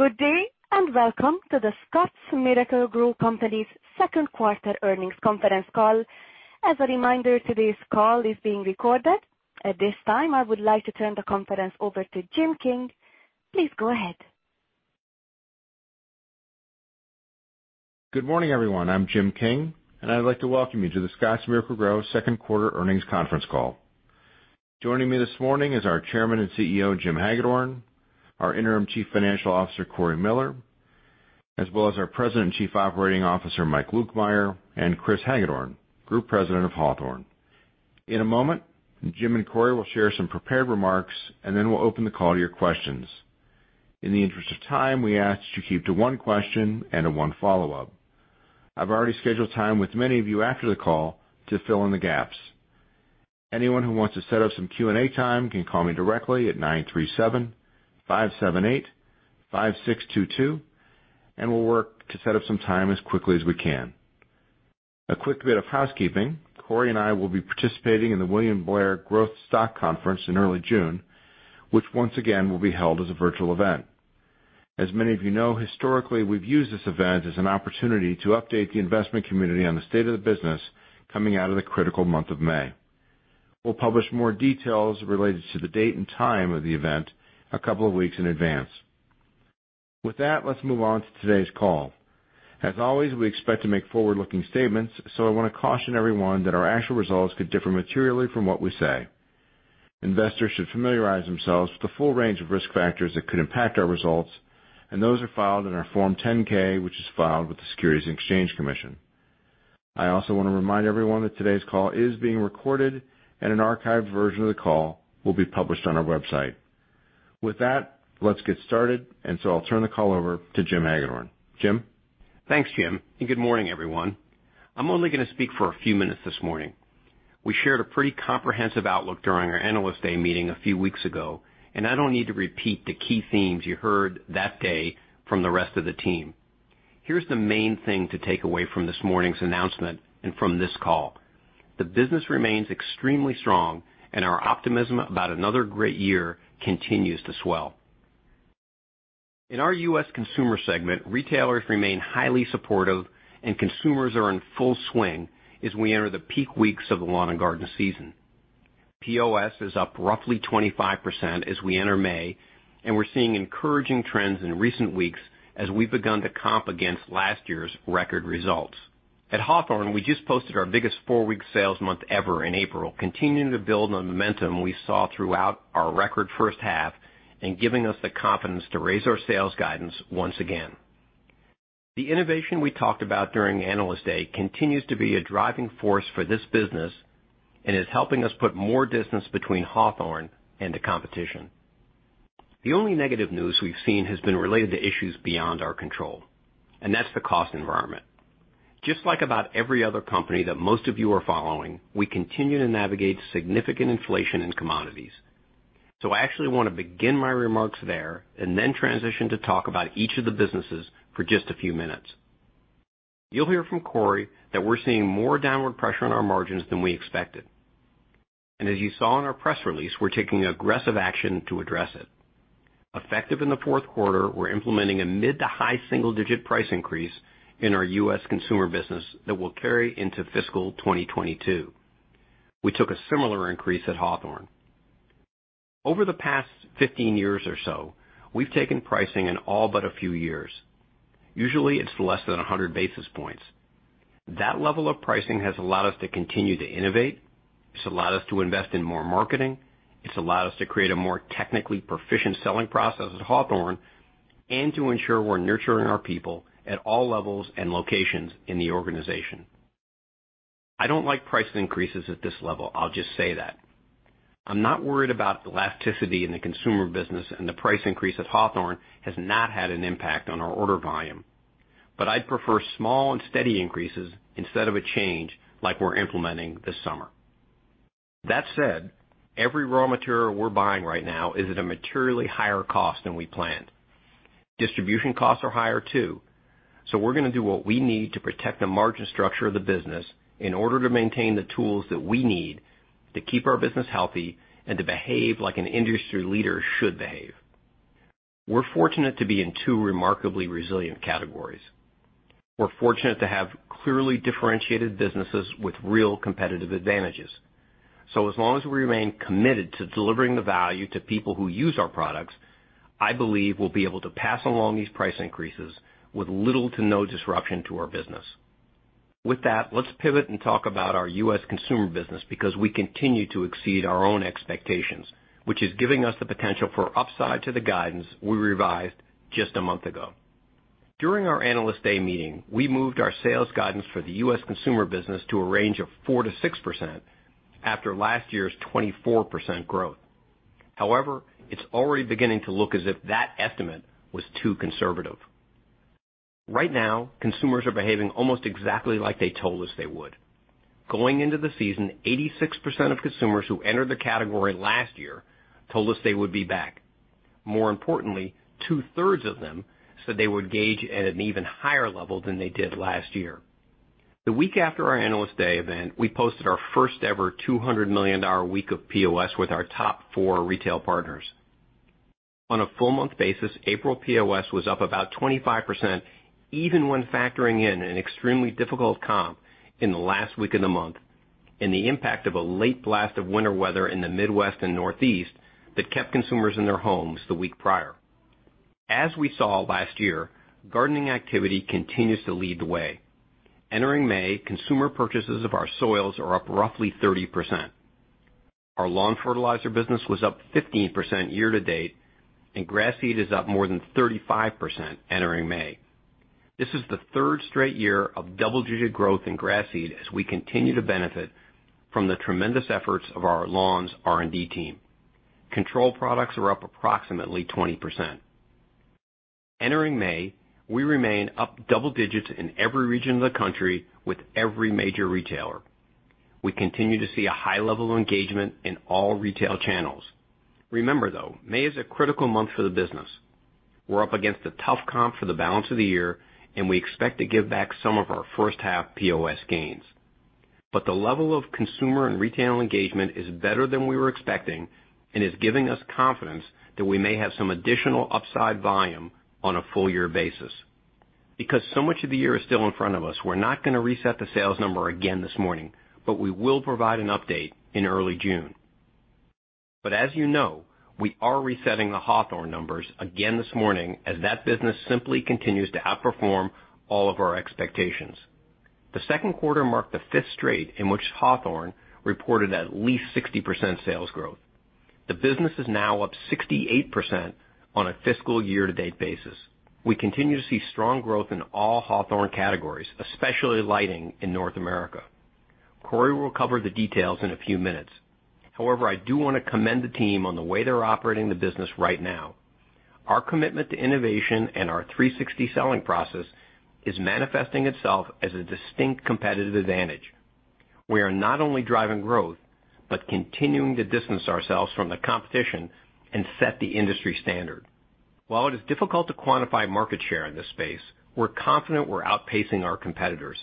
Good day, welcome to The Scotts Miracle-Gro Company's Second Quarter Earnings Conference Call. As a reminder, today's call is being recorded. At this time, I would like to turn the conference over to Jim King. Please go ahead. Good morning, everyone. I'm Jim King, and I'd like to welcome you to The Scotts Miracle-Gro second quarter earnings conference call. Joining me this morning is our Chairman and CEO, Jim Hagedorn, our Interim Chief Financial Officer, Cory Miller, as well as our President and Chief Operating Officer, Mike Lukemire, and Chris Hagedorn, Group President of Hawthorne. In a moment, Jim and Cory will share some prepared remarks. Then we'll open the call to your questions. In the interest of time, we ask that you keep to one question and to one follow-up. I've already scheduled time with many of you after the call to fill in the gaps. Anyone who wants to set up some Q&A time can call me directly at 937-578-5622. We'll work to set up some time as quickly as we can. A quick bit of housekeeping. Cory and I will be participating in the William Blair Growth Stock Conference in early June, which once again, will be held as a virtual event. As many of you know, historically, we've used this event as an opportunity to update the investment community on the state of the business coming out of the critical month of May. We'll publish more details related to the date and time of the event a couple of weeks in advance. With that, let's move on to today's call. As always, we expect to make forward-looking statements, so I want to caution everyone that our actual results could differ materially from what we say. Investors should familiarize themselves with the full range of risk factors that could impact our results, and those are filed in our Form 10-K, which is filed with the Securities and Exchange Commission. I also want to remind everyone that today's call is being recorded, and an archived version of the call will be published on our website. With that, let's get started, I'll turn the call over to Jim Hagedorn. Jim? Thanks, Jim, and good morning, everyone. I'm only going to speak for a few minutes this morning. We shared a pretty comprehensive outlook during our Analyst Day meeting a few weeks ago, and I don't need to repeat the key themes you heard that day from the rest of the team. Here's the main thing to take away from this morning's announcement and from this call. The business remains extremely strong and our optimism about another great year continues to swell. In our U.S. Consumer segment, retailers remain highly supportive and consumers are in full swing as we enter the peak weeks of the lawn and garden season. POS is up roughly 25% as we enter May, and we're seeing encouraging trends in recent weeks as we've begun to comp against last year's record results. At Hawthorne, we just posted our biggest four-week sales month ever in April, continuing to build on the momentum we saw throughout our record first half and giving us the confidence to raise our sales guidance once again. The innovation we talked about during Analyst Day continues to be a driving force for this business and is helping us put more distance between Hawthorne and the competition. The only negative news we've seen has been related to issues beyond our control, and that's the cost environment. Just like about every other company that most of you are following, we continue to navigate significant inflation in commodities. I actually want to begin my remarks there and then transition to talk about each of the businesses for just a few minutes. You'll hear from Cory that we're seeing more downward pressure on our margins than we expected. As you saw in our press release, we're taking aggressive action to address it. Effective in the fourth quarter, we're implementing a mid to high single-digit price increase in our U.S. Consumer business that will carry into fiscal 2022. We took a similar increase at Hawthorne. Over the past 15 years or so, we've taken pricing in all but a few years. Usually, it's less than 100 basis points. That level of pricing has allowed us to continue to innovate, it's allowed us to invest in more marketing, it's allowed us to create a more technically proficient selling process at Hawthorne, and to ensure we're nurturing our people at all levels and locations in the organization. I don't like price increases at this level. I'll just say that. I'm not worried about elasticity in the U.S. Consumer business. The price increase at Hawthorne has not had an impact on our order volume. I'd prefer small and steady increases instead of a change like we're implementing this summer. That said, every raw material we're buying right now is at a materially higher cost than we planned. Distribution costs are higher too. We're gonna do what we need to protect the margin structure of the business in order to maintain the tools that we need to keep our business healthy and to behave like an industry leader should behave. We're fortunate to be in two remarkably resilient categories. We're fortunate to have clearly differentiated businesses with real competitive advantages. As long as we remain committed to delivering the value to people who use our products, I believe we'll be able to pass along these price increases with little to no disruption to our business. With that, let's pivot and talk about our U.S. Consumer business because we continue to exceed our own expectations, which is giving us the potential for upside to the guidance we revised just a month ago. During our Analyst Day meeting, we moved our sales guidance for the U.S. Consumer business to a range of 4%-6% after last year's 24% growth. However, it's already beginning to look as if that estimate was too conservative. Right now, consumers are behaving almost exactly like they told us they would. Going into the season, 86% of consumers who entered the category last year told us they would be back. More importantly, two-thirds of them said they would engage at an even higher level than they did last year. The week after our Analyst Day event, we posted our first ever $200 million week of POS with our top four retail partners. On a full month basis, April POS was up about 25%, even when factoring in an extremely difficult comp in the last week of the month and the impact of a late blast of winter weather in the Midwest and Northeast that kept consumers in their homes the week prior. As we saw last year, gardening activity continues to lead the way. Entering May, consumer purchases of our soils are up roughly 30%. Our lawn fertilizer business was up 15% year to date, and grass seed is up more than 35% entering May. This is the third straight year of double-digit growth in grass seed as we continue to benefit from the tremendous efforts of our lawns R&D team. Control products are up approximately 20%. Entering May, we remain up double digits in every region of the country with every major retailer. We continue to see a high level of engagement in all retail channels. Remember, though, May is a critical month for the business. We're up against a tough comp for the balance of the year, and we expect to give back some of our first half POS gains. The level of consumer and retail engagement is better than we were expecting and is giving us confidence that we may have some additional upside volume on a full year basis. Because so much of the year is still in front of us, we're not going to reset the sales number again this morning, but we will provide an update in early June. As you know, we are resetting the Hawthorne numbers again this morning as that business simply continues to outperform all of our expectations. The second quarter marked the fifth straight in which Hawthorne reported at least 60% sales growth. The business is now up 68% on a fiscal year to date basis. We continue to see strong growth in all Hawthorne categories, especially lighting in North America. Cory will cover the details in a few minutes. However, I do want to commend the team on the way they're operating the business right now. Our commitment to innovation and our 360 selling process is manifesting itself as a distinct competitive advantage. We are not only driving growth, but continuing to distance ourselves from the competition and set the industry standard. While it is difficult to quantify market share in this space, we're confident we're outpacing our competitors.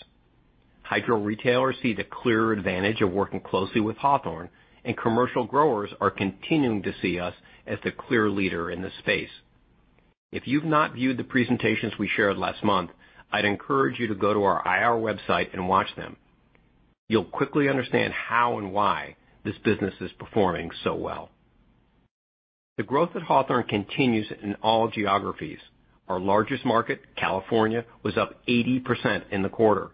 Hydro retailers see the clear advantage of working closely with Hawthorne, and commercial growers are continuing to see us as the clear leader in this space. If you've not viewed the presentations we shared last month, I'd encourage you to go to our IR website and watch them. You'll quickly understand how and why this business is performing so well. The growth at Hawthorne continues in all geographies. Our largest market, California, was up 80% in the quarter.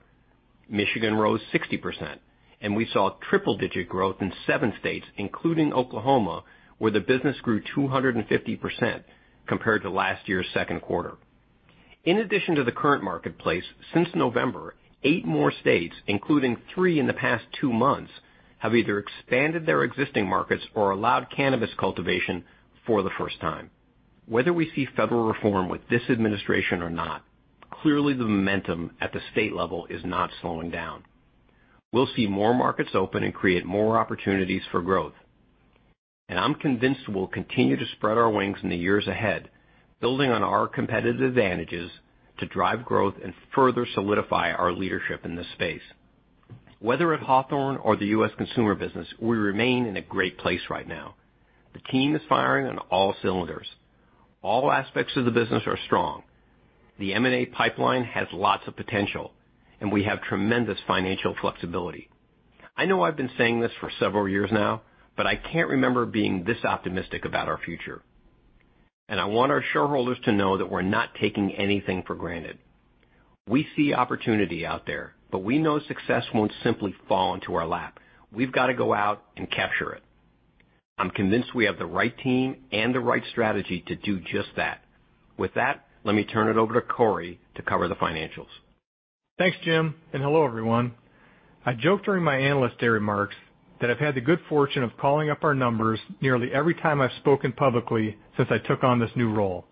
Michigan rose 60%, and we saw triple-digit growth in seven states, including Oklahoma, where the business grew 250% compared to last year's second quarter. In addition to the current marketplace, since November, eight more states, including three in the past two months, have either expanded their existing markets or allowed cannabis cultivation for the first time. Whether we see federal reform with this administration or not, clearly the momentum at the state level is not slowing down. We'll see more markets open and create more opportunities for growth. I'm convinced we'll continue to spread our wings in the years ahead, building on our competitive advantages to drive growth and further solidify our leadership in this space. Whether at Hawthorne or the U.S. Consumer business, we remain in a great place right now. The team is firing on all cylinders. All aspects of the business are strong. The M&A pipeline has lots of potential, and we have tremendous financial flexibility. I know I've been saying this for several years now, but I can't remember being this optimistic about our future. I want our shareholders to know that we're not taking anything for granted. We see opportunity out there, but we know success won't simply fall into our lap. We've got to go out and capture it. I'm convinced we have the right team and the right strategy to do just that. With that, let me turn it over to Cory to cover the financials. Thanks, Jim. Hello, everyone. I joked during my Analyst Day remarks that I've had the good fortune of calling up our numbers nearly every time I've spoken publicly since I took on this new role.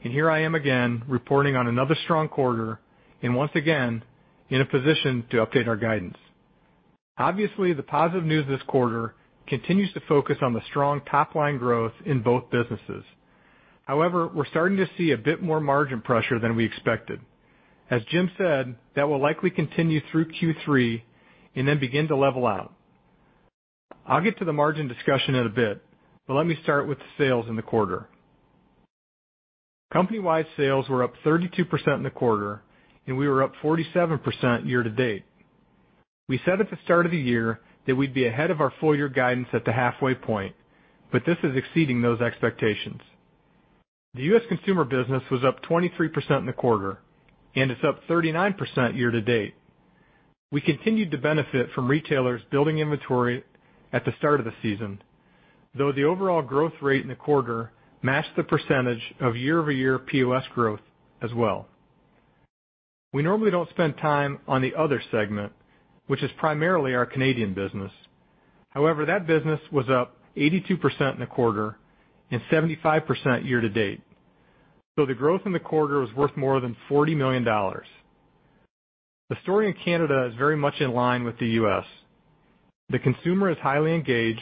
Here I am again, reporting on another strong quarter, and once again, in a position to update our guidance. Obviously, the positive news this quarter continues to focus on the strong top-line growth in both businesses. However, we're starting to see a bit more margin pressure than we expected. As Jim said, that will likely continue through Q3 and then begin to level out. I'll get to the margin discussion in a bit, but let me start with the sales in the quarter. Company-wide sales were up 32% in the quarter, and we were up 47% year to date. We said at the start of the year that we'd be ahead of our full year guidance at the halfway point, but this is exceeding those expectations. The U.S. Consumer business was up 23% in the quarter, and it's up 39% year-to-date. We continued to benefit from retailers building inventory at the start of the season, though the overall growth rate in the quarter matched the percentage of year-over-year POS growth as well. We normally don't spend time on the other segment, which is primarily our Canadian business. However, that business was up 82% in the quarter and 75% year-to-date, so the growth in the quarter was worth more than $40 million. The story in Canada is very much in line with the U.S. The consumer is highly engaged,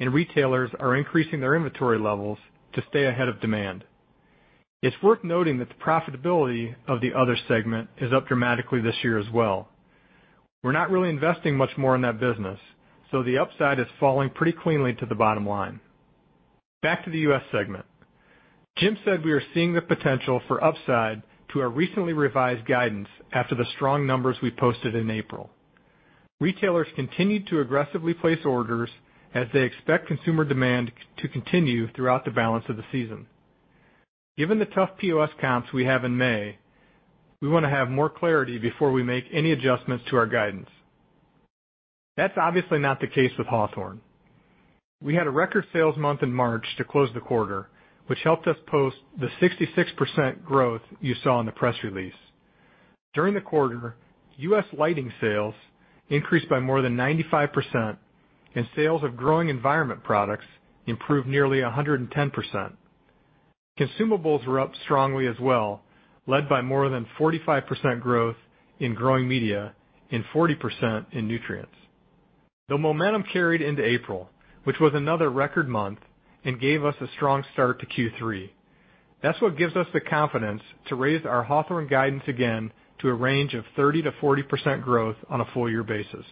and retailers are increasing their inventory levels to stay ahead of demand. It's worth noting that the profitability of the other segment is up dramatically this year as well. We're not really investing much more in that business, so the upside is falling pretty cleanly to the bottom line. Back to the U.S. Segment. Jim said we are seeing the potential for upside to our recently revised guidance after the strong numbers we posted in April. Retailers continued to aggressively place orders as they expect consumer demand to continue throughout the balance of the season. Given the tough POS comps we have in May, we want to have more clarity before we make any adjustments to our guidance. That's obviously not the case with Hawthorne. We had a record sales month in March to close the quarter, which helped us post the 66% growth you saw in the press release. During the quarter, U.S. lighting sales increased by more than 95%, and sales of growing environment products improved nearly 110%. Consumables were up strongly as well, led by more than 45% growth in growing media and 40% in nutrients. The momentum carried into April, which was another record month and gave us a strong start to Q3. That's what gives us the confidence to raise our Hawthorne guidance again to a range of 30%-40% growth on a full-year basis.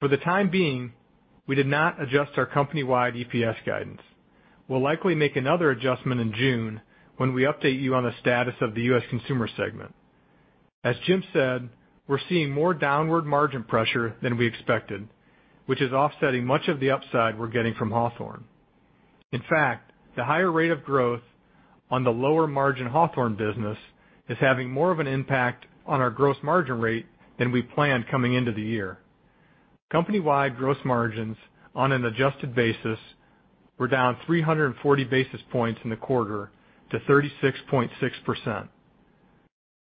For the time being, we did not adjust our company-wide EPS guidance. We'll likely make another adjustment in June when we update you on the status of the U.S. Consumer segment. As Jim said, we're seeing more downward margin pressure than we expected, which is offsetting much of the upside we're getting from Hawthorne. In fact, the higher rate of growth on the lower-margin Hawthorne business is having more of an impact on our gross margin rate than we planned coming into the year. Company-wide gross margins on an adjusted basis were down 340 basis points in the quarter to 36.6%.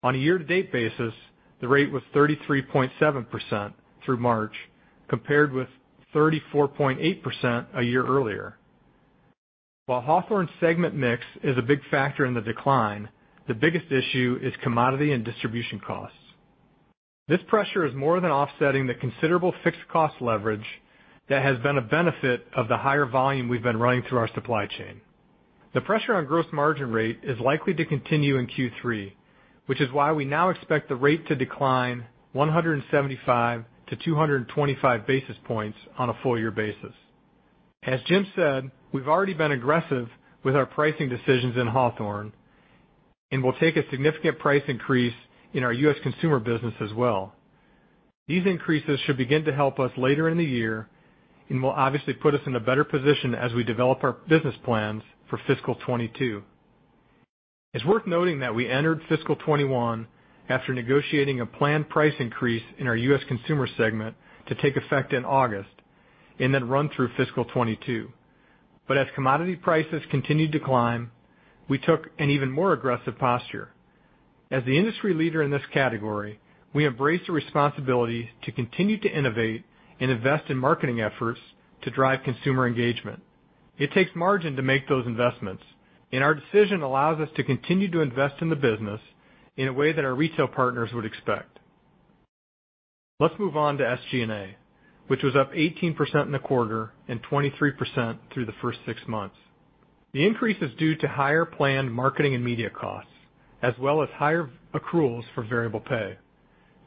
On a year-to-date basis, the rate was 33.7% through March, compared with 34.8% a year earlier. While Hawthorne segment mix is a big factor in the decline, the biggest issue is commodity and distribution costs. This pressure is more than offsetting the considerable fixed cost leverage that has been a benefit of the higher volume we've been running through our supply chain. The pressure on gross margin rate is likely to continue in Q3, which is why we now expect the rate to decline 175 to 225 basis points on a full year basis. As Jim said, we've already been aggressive with our pricing decisions in Hawthorne, and we'll take a significant price increase in our U.S. Consumer business as well. These increases should begin to help us later in the year and will obviously put us in a better position as we develop our business plans for FY 2022. It's worth noting that we entered FY 2021 after negotiating a planned price increase in our U.S. Consumer segment to take effect in August and then run through FY 2022. As commodity prices continued to climb, we took an even more aggressive posture. As the industry leader in this category, we embrace the responsibility to continue to innovate and invest in marketing efforts to drive consumer engagement. It takes margin to make those investments, and our decision allows us to continue to invest in the business in a way that our retail partners would expect. Let's move on to SG&A, which was up 18% in the quarter and 23% through the first six months. The increase is due to higher planned marketing and media costs, as well as higher accruals for variable pay.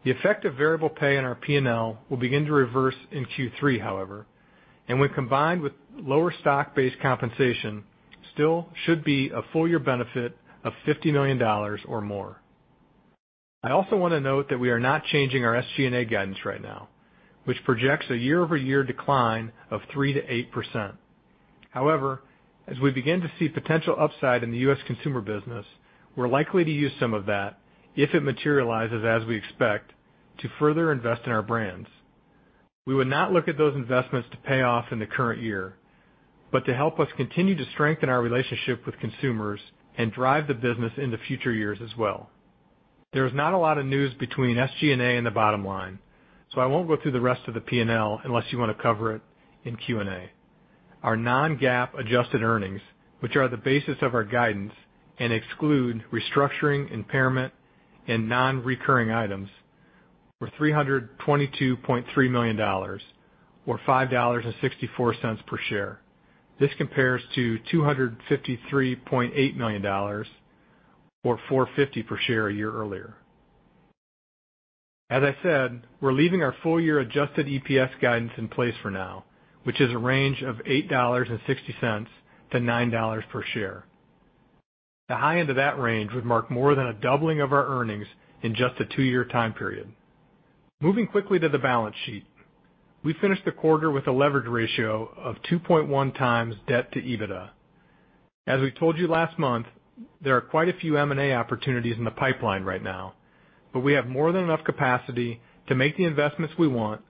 The effect of variable pay on our P&L will begin to reverse in Q3, however, and when combined with lower stock-based compensation, still should be a full-year benefit of $50 million or more. I also want to note that we are not changing our SG&A guidance right now, which projects a year-over-year decline of 3%-8%. However, as we begin to see potential upside in the U.S. Consumer business, we're likely to use some of that, if it materializes as we expect, to further invest in our brands. We would not look at those investments to pay off in the current year, but to help us continue to strengthen our relationship with consumers and drive the business into future years as well. There is not a lot of news between SG&A and the bottom line, so I won't go through the rest of the P&L unless you want to cover it in Q&A. Our non-GAAP adjusted earnings, which are the basis of our guidance and exclude restructuring, impairment, and non-recurring items, were $322.3 million, or $5.64 per share. This compares to $253.8 million, or $4.50 per share, a year earlier. As I said, we're leaving our full-year adjusted EPS guidance in place for now, which is a range of $8.60-$9 per share. The high end of that range would mark more than a doubling of our earnings in just a two-year time period. Moving quickly to the balance sheet, we finished the quarter with a leverage ratio of 2.1x debt to EBITDA. As we told you last month, there are quite a few M&A opportunities in the pipeline right now, but we have more than enough capacity to make the investments we want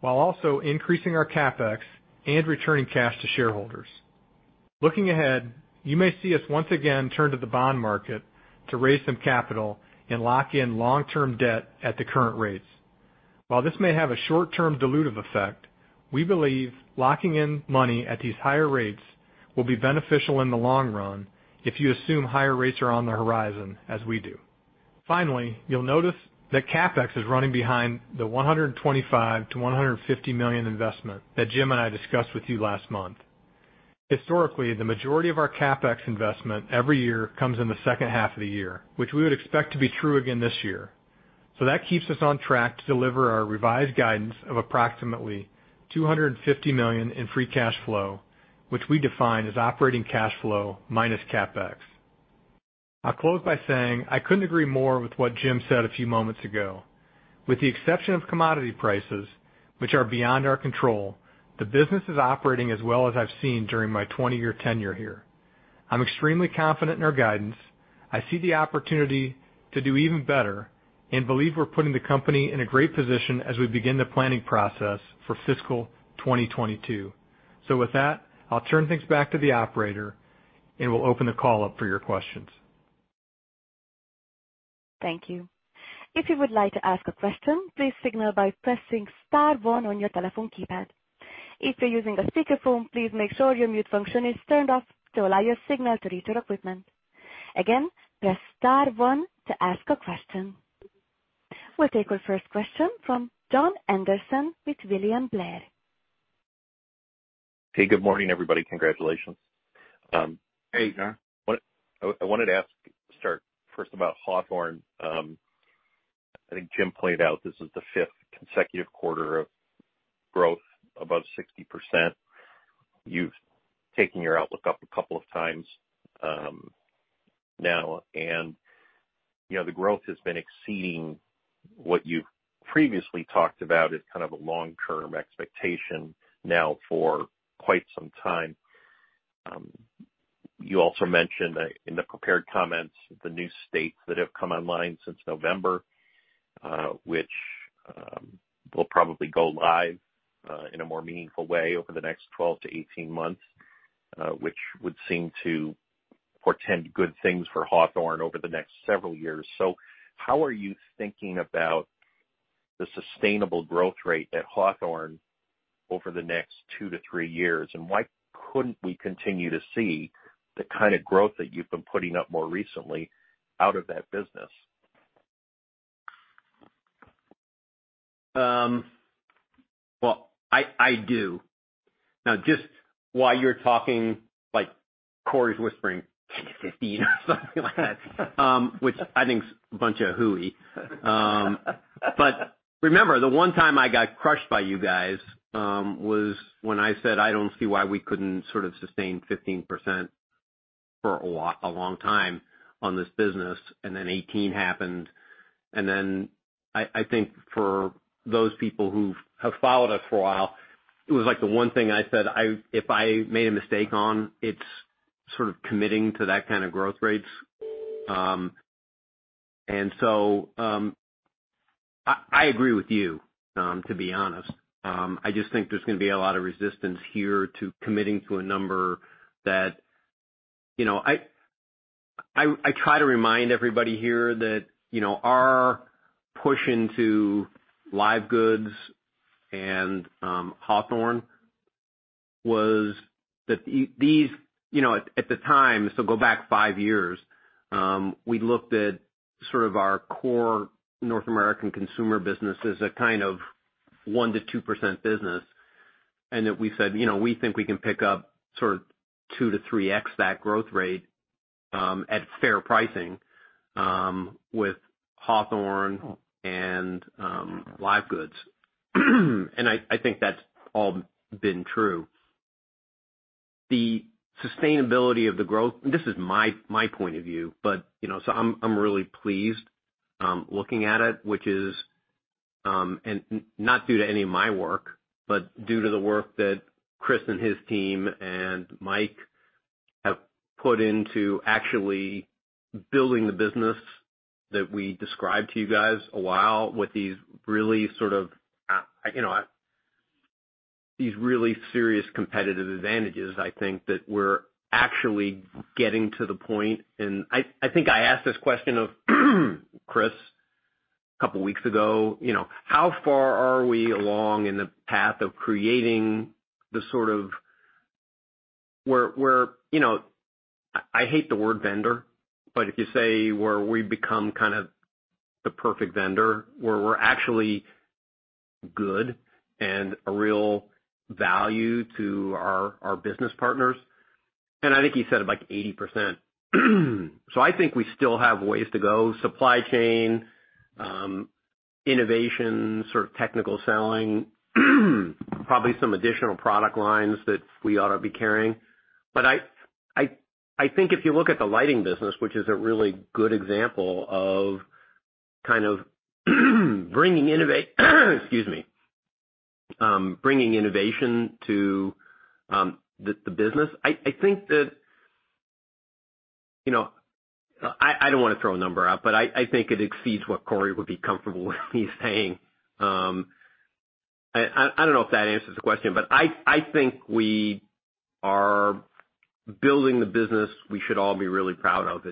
while also increasing our CapEx and returning cash to shareholders. Looking ahead, you may see us once again turn to the bond market to raise some capital and lock in long-term debt at the current rates. While this may have a short-term dilutive effect, we believe locking in money at these higher rates will be beneficial in the long run if you assume higher rates are on the horizon as we do. Finally, you'll notice that CapEx is running behind the $125 million-$150 million investment that Jim and I discussed with you last month. Historically, the majority of our CapEx investment every year comes in the second half of the year, which we would expect to be true again this year. That keeps us on track to deliver our revised guidance of approximately $250 million in free cash flow, which we define as operating cash flow minus CapEx. I'll close by saying, I couldn't agree more with what Jim said a few moments ago. With the exception of commodity prices, which are beyond our control, the business is operating as well as I've seen during my 20-year tenure here. I'm extremely confident in our guidance. I see the opportunity to do even better and believe we're putting the company in a great position as we begin the planning process for FY 2022. With that, I'll turn things back to the operator, and we'll open the call up for your questions. Thank you. If you would like to ask a question, please signal by pressing star one on your telephone keypad. If you're using a speakerphone, please make sure your mute function is turned off to allow your signal to reach our equipment. Again, press star one to ask a question. We'll take our first question from Jon Andersen with William Blair. Hey, good morning, everybody. Congratulations. Hey, Jon. I wanted to ask, start first about Hawthorne. I think Jim pointed out this is the fifth consecutive quarter of growth above 60%. You've taken your outlook up a couple of times now, the growth has been exceeding what you've previously talked about as kind of a long-term expectation now for quite some time. You also mentioned in the prepared comments the new states that have come online since November, which will probably go live in a more meaningful way over the next 12 to 18 months, which would seem to portend good things for Hawthorne over the next several years. How are you thinking about the sustainable growth rate at Hawthorne over the next two to three years? Why couldn't we continue to see the kind of growth that you've been putting up more recently out of that business? Well, I do. Now, just while you're talking, Cory's whispering, "Can't get 15," or something like that. Which I think is a bunch of hooey. Remember, the one time I got crushed by you guys was when I said I don't see why we couldn't sort of sustain 15% for a long time on this business, then 18 happened. Then I think for those people who have followed us for a while, it was the one thing I said, if I made a mistake on, it's sort of committing to that kind of growth rates. So I agree with you, to be honest. I just think there's going to be a lot of resistance here to committing to a number that I try to remind everybody here that our push into live goods and Hawthorne was that these, at the time, so go back five years, we looked at sort of our core North American consumer business as a kind of 1%-2% business. That we said, we think we can pick up sort of 2x-3x that growth rate at fair pricing with Hawthorne and live goods. I think that's all been true. The sustainability of the growth, this is my point of view. I'm really pleased looking at it, which is not due to any of my work, but due to the work that Chris and his team and Mike have put into actually building the business that we described to you guys a while with these really serious competitive advantages. I think that we're actually getting to the point, and I think I asked this question of Chris a couple of weeks ago. How far are we along in the path of creating the sort of where, I hate the word vendor, but if you say where we've become kind of the perfect vendor, where we're actually good and a real value to our business partners. I think he said, like 80%. I think we still have ways to go. Supply chain, innovation, sort of technical selling, probably some additional product lines that we ought to be carrying. I think if you look at the lighting business, which is a really good example of kind of bringing innovation to the business. I don't want to throw a number out, but I think it exceeds what Cory would be comfortable with me saying. I don't know if that answers the question, but I think we are building the business we should all be really proud of.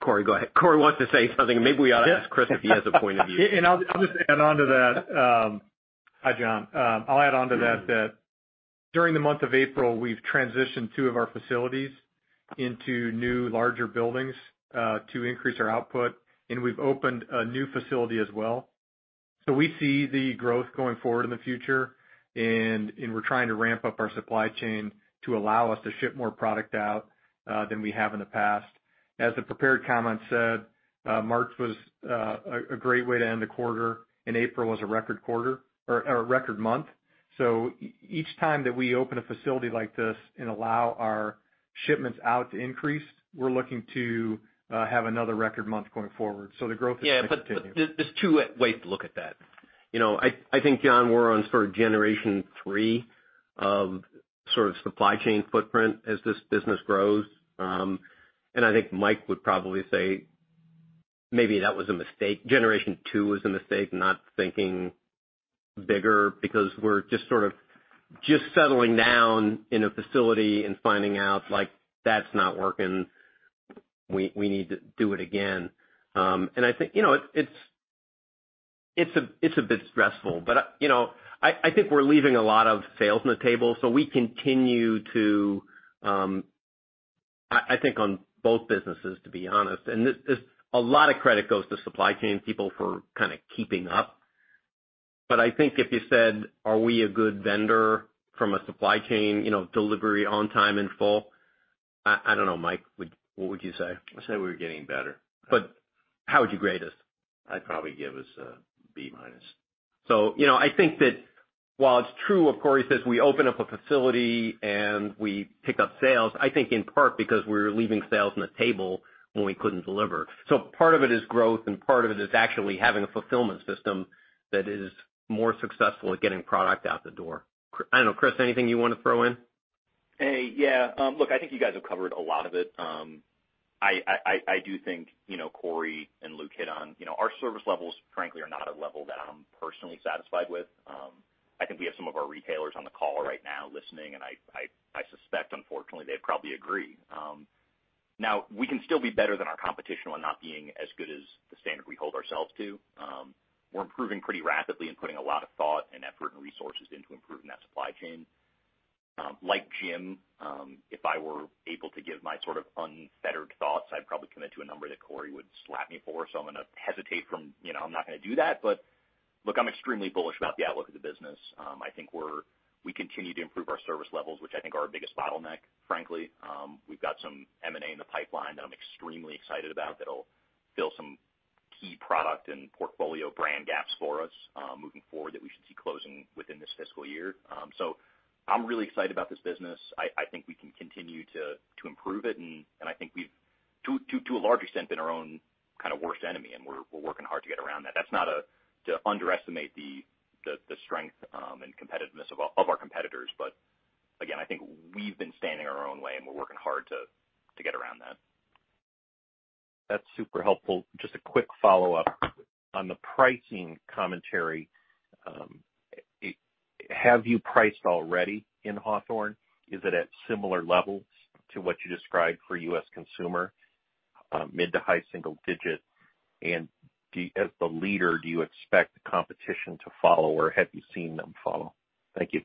Cory, go ahead. Cory wants to say something. Maybe we ought to ask Chris if he has a point of view. I'll just add onto that. Hi, Jon. I'll add onto that. During the month of April, we've transitioned two of our facilities into new larger buildings, to increase our output, and we've opened a new facility as well. We see the growth going forward in the future, and we're trying to ramp up our supply chain to allow us to ship more product out than we have in the past. As the prepared comment said, March was a great way to end the quarter, and April was a record quarter or a record month. Each time that we open a facility like this and allow our shipments out to increase, we're looking to have another record month going forward. The growth is going to continue. There's two ways to look at that. I think, Jon, we're on sort of generation 3 of sort of supply chain footprint as this business grows. I think Mike would probably say maybe that was a mistake. Generation 2 was a mistake not thinking bigger because we're just sort of just settling down in a facility and finding out like that's not working. We need to do it again. I think, it's a bit stressful, but I think we're leaving a lot of sales on the table. We continue to, I think, on both businesses, to be honest. A lot of credit goes to supply chain people for kind of keeping up. I think if you said, are we a good vendor from a supply chain, delivery on time in full? I don't know, Mike, what would you say? I'd say we're getting better. How would you grade us? I'd probably give us a B minus. I think that while it's true, Cory says we open up a facility and we pick up sales, I think in part because we're leaving sales on the table when we couldn't deliver. Part of it is growth, and part of it is actually having a fulfillment system that is more successful at getting product out the door. I don't know, Chris, anything you want to throw in? Hey, yeah. Look, I think you guys have covered a lot of it. I do think Cory and Mike Lukemire hit on it. Our service levels, frankly, are not a level that I'm personally satisfied with. I think we have some of our retailers on the call right now listening, and I suspect, unfortunately, they'd probably agree. We can still be better than our competition while not being as good as the standard we hold ourselves to. We're improving pretty rapidly and putting a lot of thought and effort and resources into improving that supply chain. Like Jim, if I were able to give my sort of unfettered thoughts, I'd probably commit to a number that Cory would slap me for. I'm not going to do that. Look, I'm extremely bullish about the outlook of the business. I think we continue to improve our service levels, which I think are our biggest bottleneck, frankly. We've got some M&A in the pipeline that I'm extremely excited about that'll fill some key product and portfolio brand gaps for us, moving forward that we should see closing within this fiscal year. I'm really excited about this business. I think we can continue to improve it, and I think we've, to a large extent, been our own kind of worst enemy, and we're working hard to get around that. That's not to underestimate the strength and competitiveness of our competitors. Again, I think we've been standing in our own way, and we're working hard to get around that. That's super helpful. Just a quick follow-up. On the pricing commentary, have you priced already in Hawthorne? Is it at similar levels to what you described for U.S. Consumer, mid to high single-digit? As the leader, do you expect the competition to follow, or have you seen them follow? Thank you.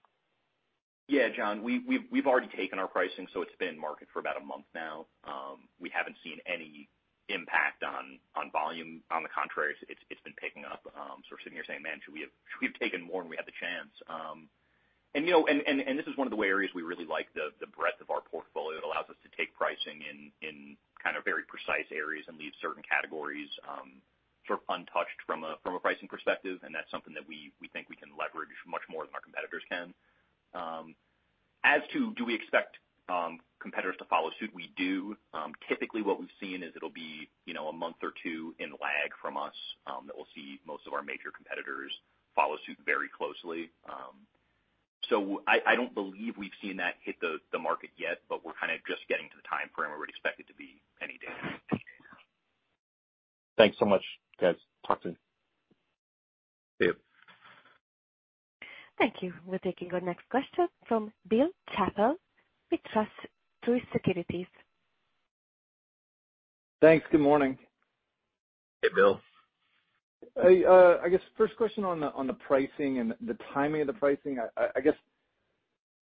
Yeah, Jon, we've already taken our pricing, so it's been market for about a month now. We haven't seen any impact on volume. On the contrary, it's been picking up. We're sitting here saying, "Man, should we have taken more when we had the chance?" This is one of the areas we really like the breadth of our portfolio that allows us to take pricing in kind of very precise areas and leave certain categories sort of untouched from a pricing perspective. That's something that we think we can leverage much more than our competitors can. As to do we expect competitors to follow suit? We do. Typically what we've seen is it'll be a month or two in lag from us, that we'll see most of our major competitors follow suit very closely. I don't believe we've seen that hit the market yet, but we're kind of just getting to the time frame where we'd expect it to be any day now. Thanks so much, guys. Talk soon. See you. Thank you. We're taking our next question from Bill Chappell with Truist Securities. Thanks. Good morning. Hey, Bill. I guess first question on the pricing and the timing of the pricing. I guess,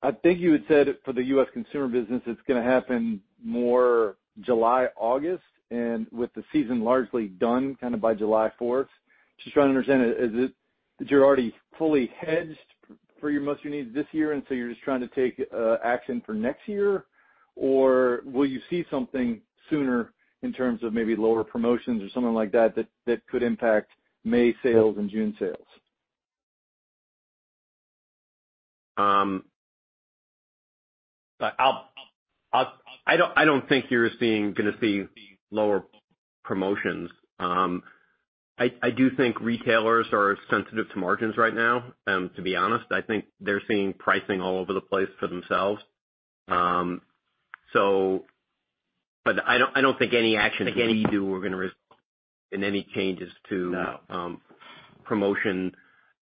I think you had said for the U.S. Consumer business, it's gonna happen more July, August, and with the season largely done kind of by July 4th. Just trying to understand, is it that you're already fully hedged for most of your needs this year, and so you're just trying to take action for next year? Or will you see something sooner in terms of maybe lower promotions or something like that could impact May sales and June sales? I don't think you're gonna see lower promotions. I do think retailers are sensitive to margins right now, to be honest. I think they're seeing pricing all over the place for themselves. I don't think any action that we do we're gonna result in any changes. No Promotion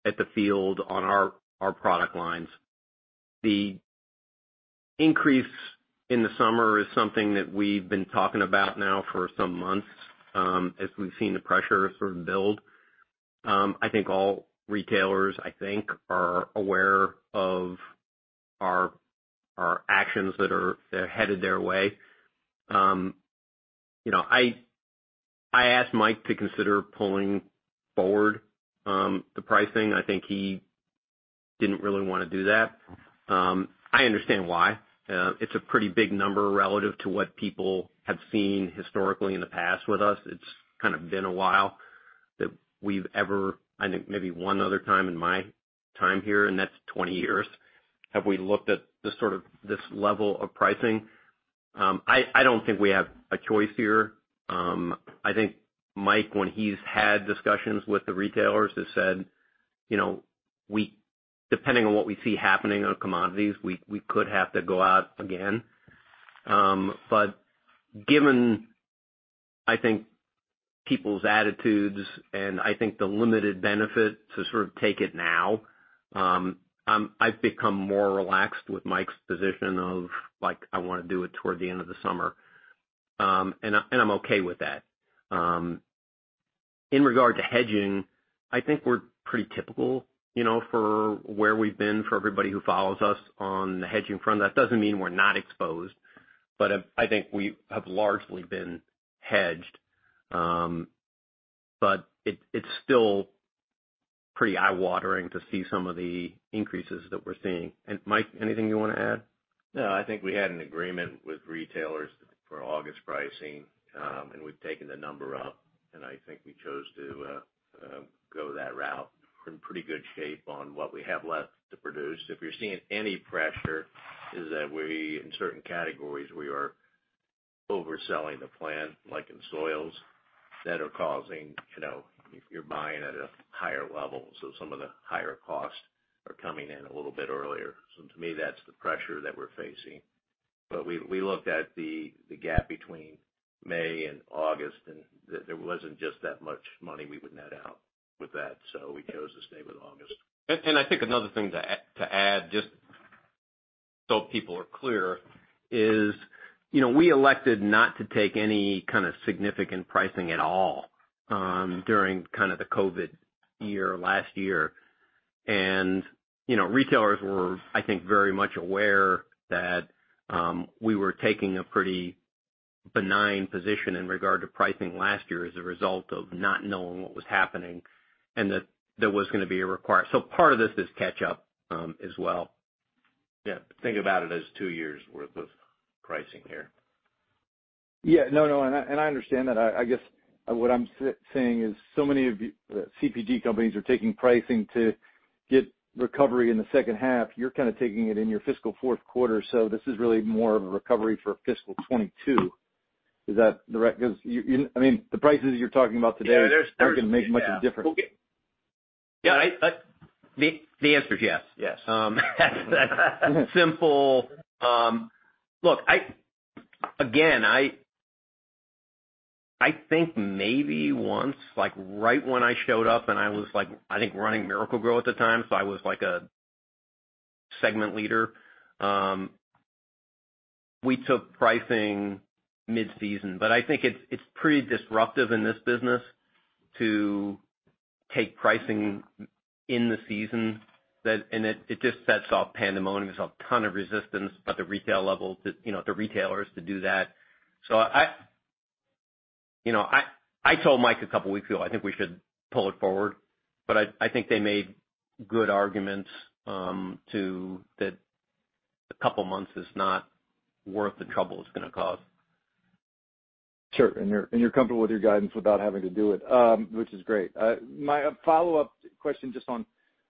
at the field on our product lines. The increase in the summer is something that we've been talking about now for some months, as we've seen the pressure sort of build. I think all retailers are aware of our actions that are headed their way. I asked Mike to consider pulling forward the pricing. I think he didn't really want to do that. I understand why. It's a pretty big number relative to what people have seen historically in the past with us. It's kind of been a while that we've ever I think maybe one other time in my time here, and that's 20 years, have we looked at this sort of this level of pricing. I don't think we have a choice here. I think Mike, when he's had discussions with the retailers, has said, "Depending on what we see happening on commodities, we could have to go out again." Given, I think, people's attitudes and I think the limited benefit to sort of take it now, I've become more relaxed with Mike's position of, like, "I want to do it toward the end of the summer." I'm okay with that. In regard to hedging, I think we're pretty typical for where we've been for everybody who follows us on the hedging front. That doesn't mean we're not exposed, but I think we have largely been hedged. It's still pretty eye-watering to see some of the increases that we're seeing. Mike, anything you want to add? No, I think we had an agreement with retailers for August pricing, and we've taken the number up, and I think we chose to go that route. We're in pretty good shape on what we have left to produce. If we're seeing any pressure, it's that in certain categories, we are overselling the plan, like in soils, that are causing, if you're buying at a higher level, so some of the higher costs are coming in a little bit earlier. To me, that's the pressure that we're facing. But we looked at the gap between May and August, and there wasn't just that much money we would net out with that, so we chose to stay with August. I think another thing to add, just so people are clear, is we elected not to take any kind of significant pricing at all during the COVID-19 year last year. Retailers were, I think, very much aware that we were taking a pretty benign position in regard to pricing last year as a result of not knowing what was happening. Part of this is catch up as well. Yeah. Think about it as two years' worth of pricing here. Yeah. No, I understand that. I guess what I'm saying is so many of the CPG companies are taking pricing to get recovery in the second half. You're kind of taking it in your fiscal fourth quarter. This is really more of a recovery for FY 2022. Is that the right? The prices you're talking about today. Yeah, there's- Aren't going to make much of a difference. Yeah. The answer is yes. Yes. Simple. Look, again, I think maybe once, right when I showed up and I was, I think, running Miracle-Gro at the time, so I was a segment leader, we took pricing mid-season. I think it's pretty disruptive in this business to take pricing in the season, and it just sets off pandemonium. There's a ton of resistance at the retail level, the retailers to do that. I told Mike a couple of weeks ago, "I think we should pull it forward," but I think they made good arguments that a couple of months is not worth the trouble it's going to cause. Sure. You're comfortable with your guidance without having to do it, which is great. My follow-up question just on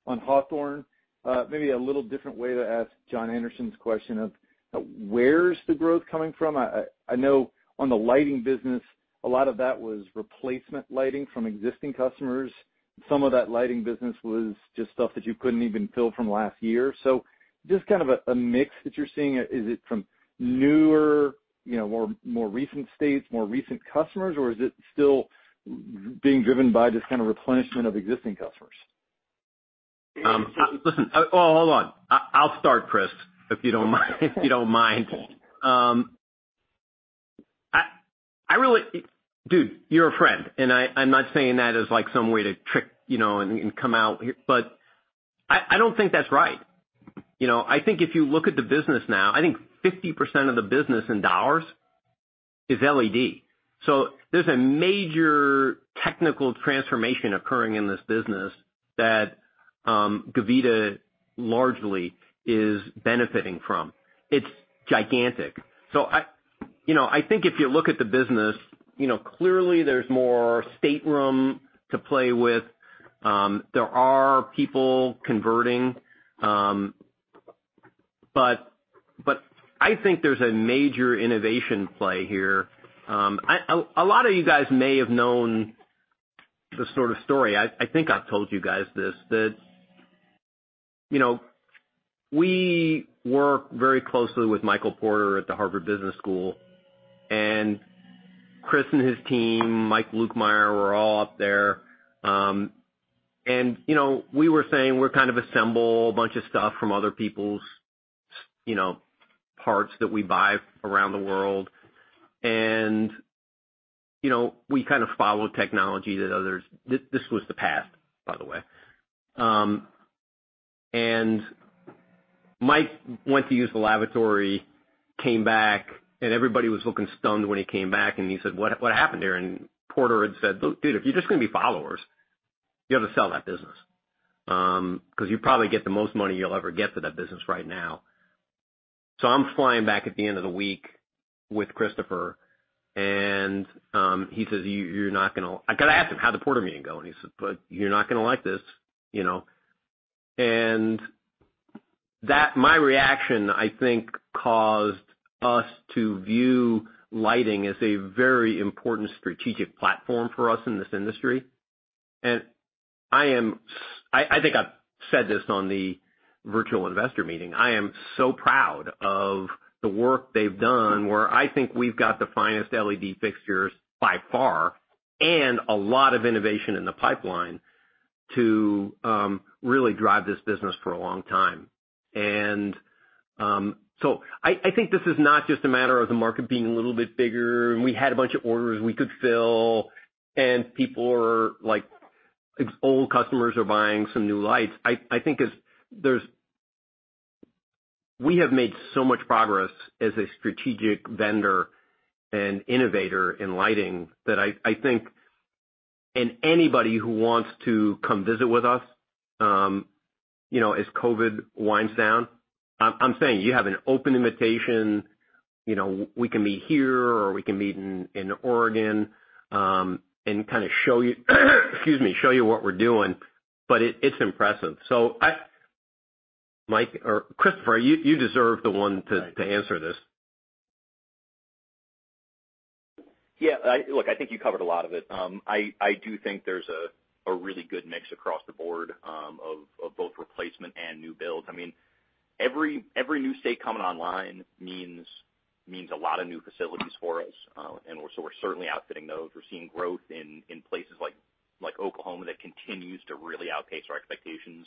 Hawthorne. Maybe a little different way to ask Jon Andersen's question of where's the growth coming from? I know on the lighting business, a lot of that was replacement lighting from existing customers. Some of that lighting business was just stuff that you couldn't even fill from last year. Just kind of a mix that you're seeing. Is it from newer, more recent states, more recent customers, or is it still being driven by this kind of replenishment of existing customers? Listen. Well, hold on. I'll start, Chris, if you don't mind. Dude, you're a friend, and I'm not saying that as like some way to trick and come out here, but I don't think that's right. I think if you look at the business now, I think 50% of the business in dollars is LED. There's a major technical transformation occurring in this business that Gavita largely is benefiting from. It's gigantic. I think if you look at the business, clearly there's more state room to play with. There are people converting. I think there's a major innovation play here. A lot of you guys may have known this sort of story. I think I've told you guys this. That we work very closely with Michael Porter at the Harvard Business School, and Chris and his team, Mike Lukemire, were all up there. We were saying we're kind of assemble a bunch of stuff from other people's parts that we buy around the world. We kind of follow technology that others-- this was the past, by the way. Mike went to use the lavatory, came back, and everybody was looking stunned when he came back, and he said, "What happened here?" Porter had said, "Look, dude, if you're just going to be followers, you ought to sell that business. You'll probably get the most money you'll ever get for that business right now." I'm flying back at the end of the week with Christopher, and I got to ask him how the Porter meeting went, but he said, "You're not going to like this." My reaction, I think, caused us to view lighting as a very important strategic platform for us in this industry. I think I've said this on the virtual investor meeting. I am so proud of the work they've done, where I think we've got the finest LED fixtures by far, and a lot of innovation in the pipeline to really drive this business for a long time. I think this is not just a matter of the market being a little bit bigger, and we had a bunch of orders we could fill, and people or old customers are buying some new lights. We have made so much progress as a strategic vendor and innovator in lighting that I think anybody who wants to come visit with us as COVID-19 winds down, I'm saying you have an open invitation. We can meet here, or we can meet in Oregon, and kind of show you what we're doing. It's impressive. Mike or Chris, you deserve the one to answer this. Yeah. Look, I think you covered a lot of it. I do think there's a really good mix across the board of both replacement and new builds. Every new state coming online means a lot of new facilities for us, and so we're certainly outfitting those. We're seeing growth in places like Oklahoma that continues to really outpace our expectations.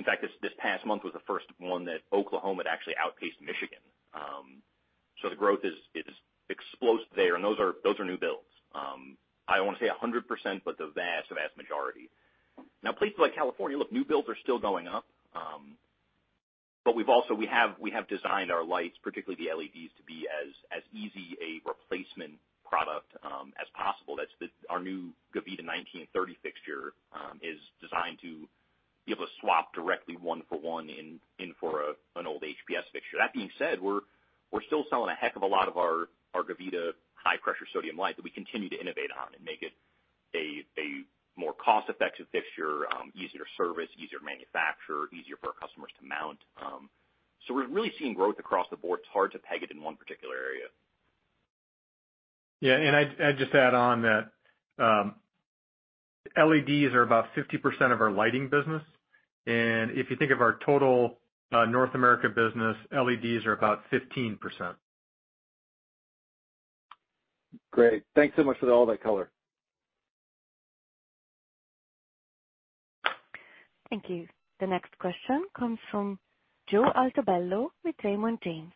In fact, this past month was the first one that Oklahoma had actually outpaced Michigan. The growth is explosive there, and those are new builds. I don't want to say 100%, but the vast majority. Places like California, look, new builds are still going up. We have designed our lights, particularly the LEDs, to be as easy a replacement product as possible. Our new Gavita 1930 fixture is designed to be able to swap directly one for one in for an old HPS fixture. That being said, we're still selling a heck of a lot of our Gavita high-pressure sodium light that we continue to innovate on and make it a more cost-effective fixture, easier to service, easier to manufacture, easier for our customers to mount. We're really seeing growth across the board. It's hard to peg it in one particular area. Yeah, and I'd just add on that LEDs are about 50% of our lighting business. If you think of our total North America business, LEDs are about 15%. Great. Thanks so much for all that color. Thank you. The next question comes from Joe Altobello with Raymond James.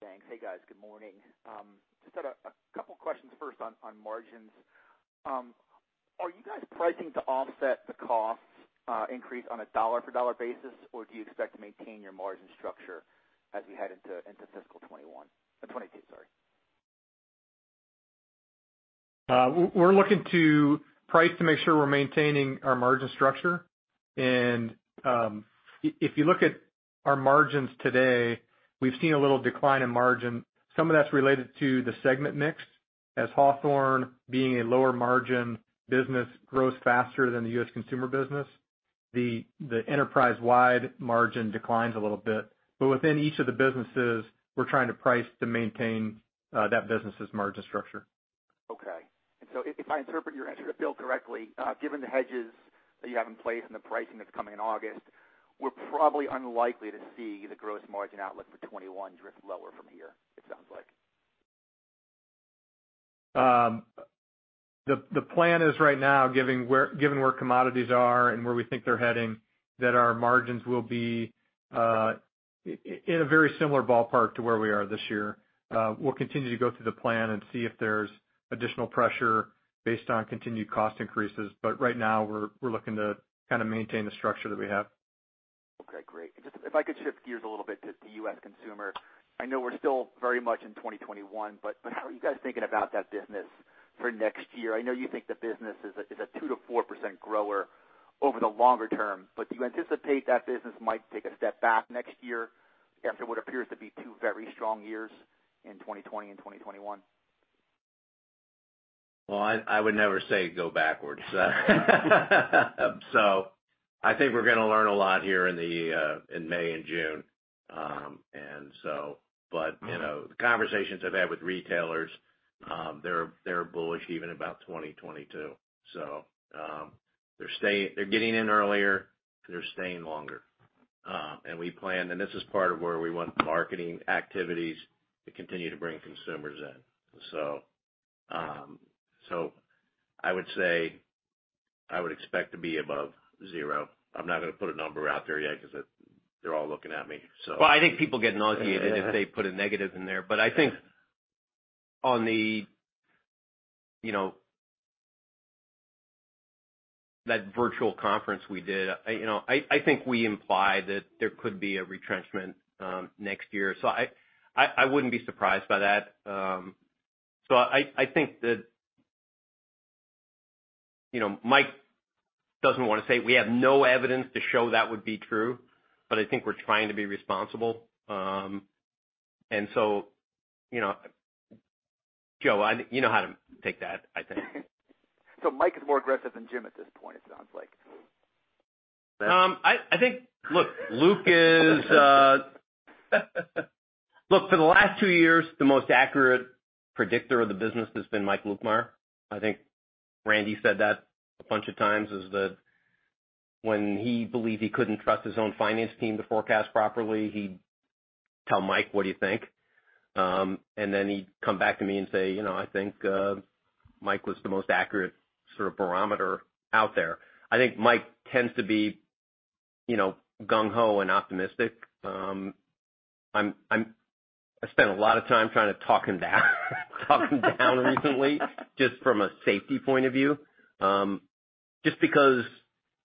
Thanks. Hey, guys. Good morning. Just had a couple questions first on margins. Are you guys pricing to offset the cost increase on a dollar-for-dollar basis, or do you expect to maintain your margin structure as we head into fiscal 2021, 2022, sorry? We're looking to price to make sure we're maintaining our margin structure. If you look at our margins today, we've seen a little decline in margin. Some of that's related to the segment mix, as Hawthorne being a lower margin business grows faster than the U.S. Consumer business. The enterprise-wide margin declines a little bit. Within each of the businesses, we're trying to price to maintain that business's margin structure. Okay. If I interpret your answer to Bill correctly, given the hedges that you have in place and the pricing that's coming in August, we're probably unlikely to see the gross margin outlook for 2021 drift lower from here, it sounds like. The plan is right now, given where commodities are and where we think they're heading, that our margins will be in a very similar ballpark to where we are this year. We'll continue to go through the plan and see if there's additional pressure based on continued cost increases, but right now we're looking to kind of maintain the structure that we have. Okay, great. If I could shift gears a little bit to U.S. Consumer. I know we're still very much in 2021, how are you guys thinking about that business for next year? I know you think the business is a 2%-4% grower over the longer term, do you anticipate that business might take a step back next year after what appears to be two very strong years in 2020 and 2021? I would never say go backwards. I think we're going to learn a lot here in May and June. The conversations I've had with retailers They're bullish even about 2022. They're getting in earlier, they're staying longer. We plan, and this is part of where we want marketing activities to continue to bring consumers in. I would say I would expect to be above zero. I'm not going to put a number out there yet because they're all looking at me. Well, I think people get nauseated. Yeah if they put a negative in there. I think on that virtual conference we did, I think we implied that there could be a retrenchment next year. I wouldn't be surprised by that. I think that Mike doesn't want to say, we have no evidence to show that would be true, but I think we're trying to be responsible. Joe, you know how to take that, I think. Mike is more aggressive than Jim at this point, it sounds like. Look, Luke is, for the last two years, the most accurate predictor of the business has been Mike Lukemire. I think Randy said that a bunch of times, is that when he believed he couldn't trust his own finance team to forecast properly, he'd tell Mike, "What do you think?" He'd come back to me and say, "I think Mike was the most accurate sort of barometer out there." I think Mike tends to be gung ho and optimistic. I spent a lot of time trying to talk him down recently, just from a safety point of view. Just because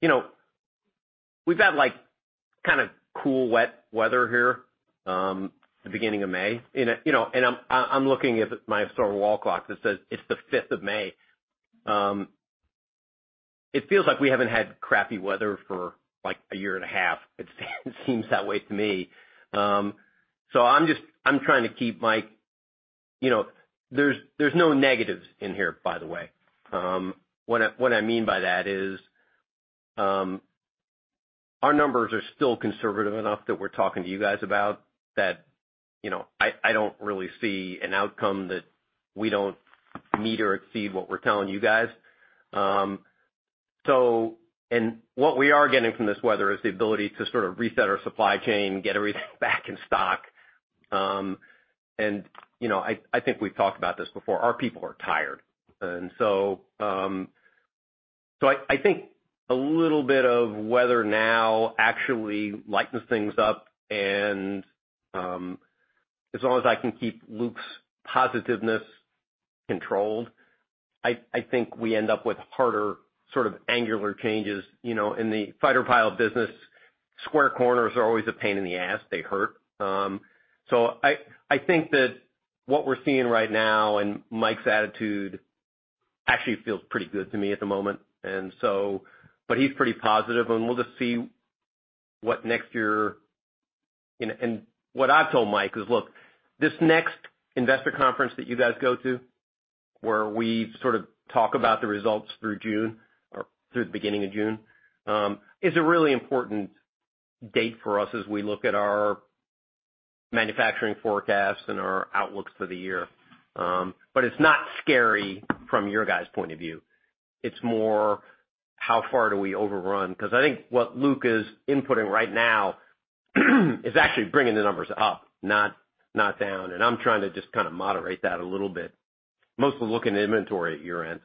we've had kind of cool, wet weather here, the beginning of May. I'm looking at my historical wall clock that says it's the 5th of May. It feels like we haven't had crappy weather for a year and a half. It seems that way to me. There's no negatives in here, by the way. What I mean by that is, our numbers are still conservative enough that we're talking to you guys about that I don't really see an outcome that we don't meet or exceed what we're telling you guys. What we are getting from this weather is the ability to sort of reset our supply chain, get everything back in stock. I think we've talked about this before. Our people are tired. I think a little bit of weather now actually lightens things up, and as long as I can keep Luke's positiveness controlled, I think we end up with harder sort of angular changes. In the fighter pilot business, square corners are always a pain in the ass. They hurt. I think that what we're seeing right now and Mike's attitude actually feels pretty good to me at the moment. He's pretty positive, and we'll just see what next year. What I've told Mike is, "Look, this next investor conference that you guys go to, where we sort of talk about the results through June or through the beginning of June, is a really important date for us as we look at our manufacturing forecasts and our outlooks for the year." It's not scary from your guys' point of view. It's more, how far do we overrun? I think what Luke is inputting right now is actually bringing the numbers up, not down. I'm trying to just kind of moderate that a little bit, mostly looking at inventory at your end.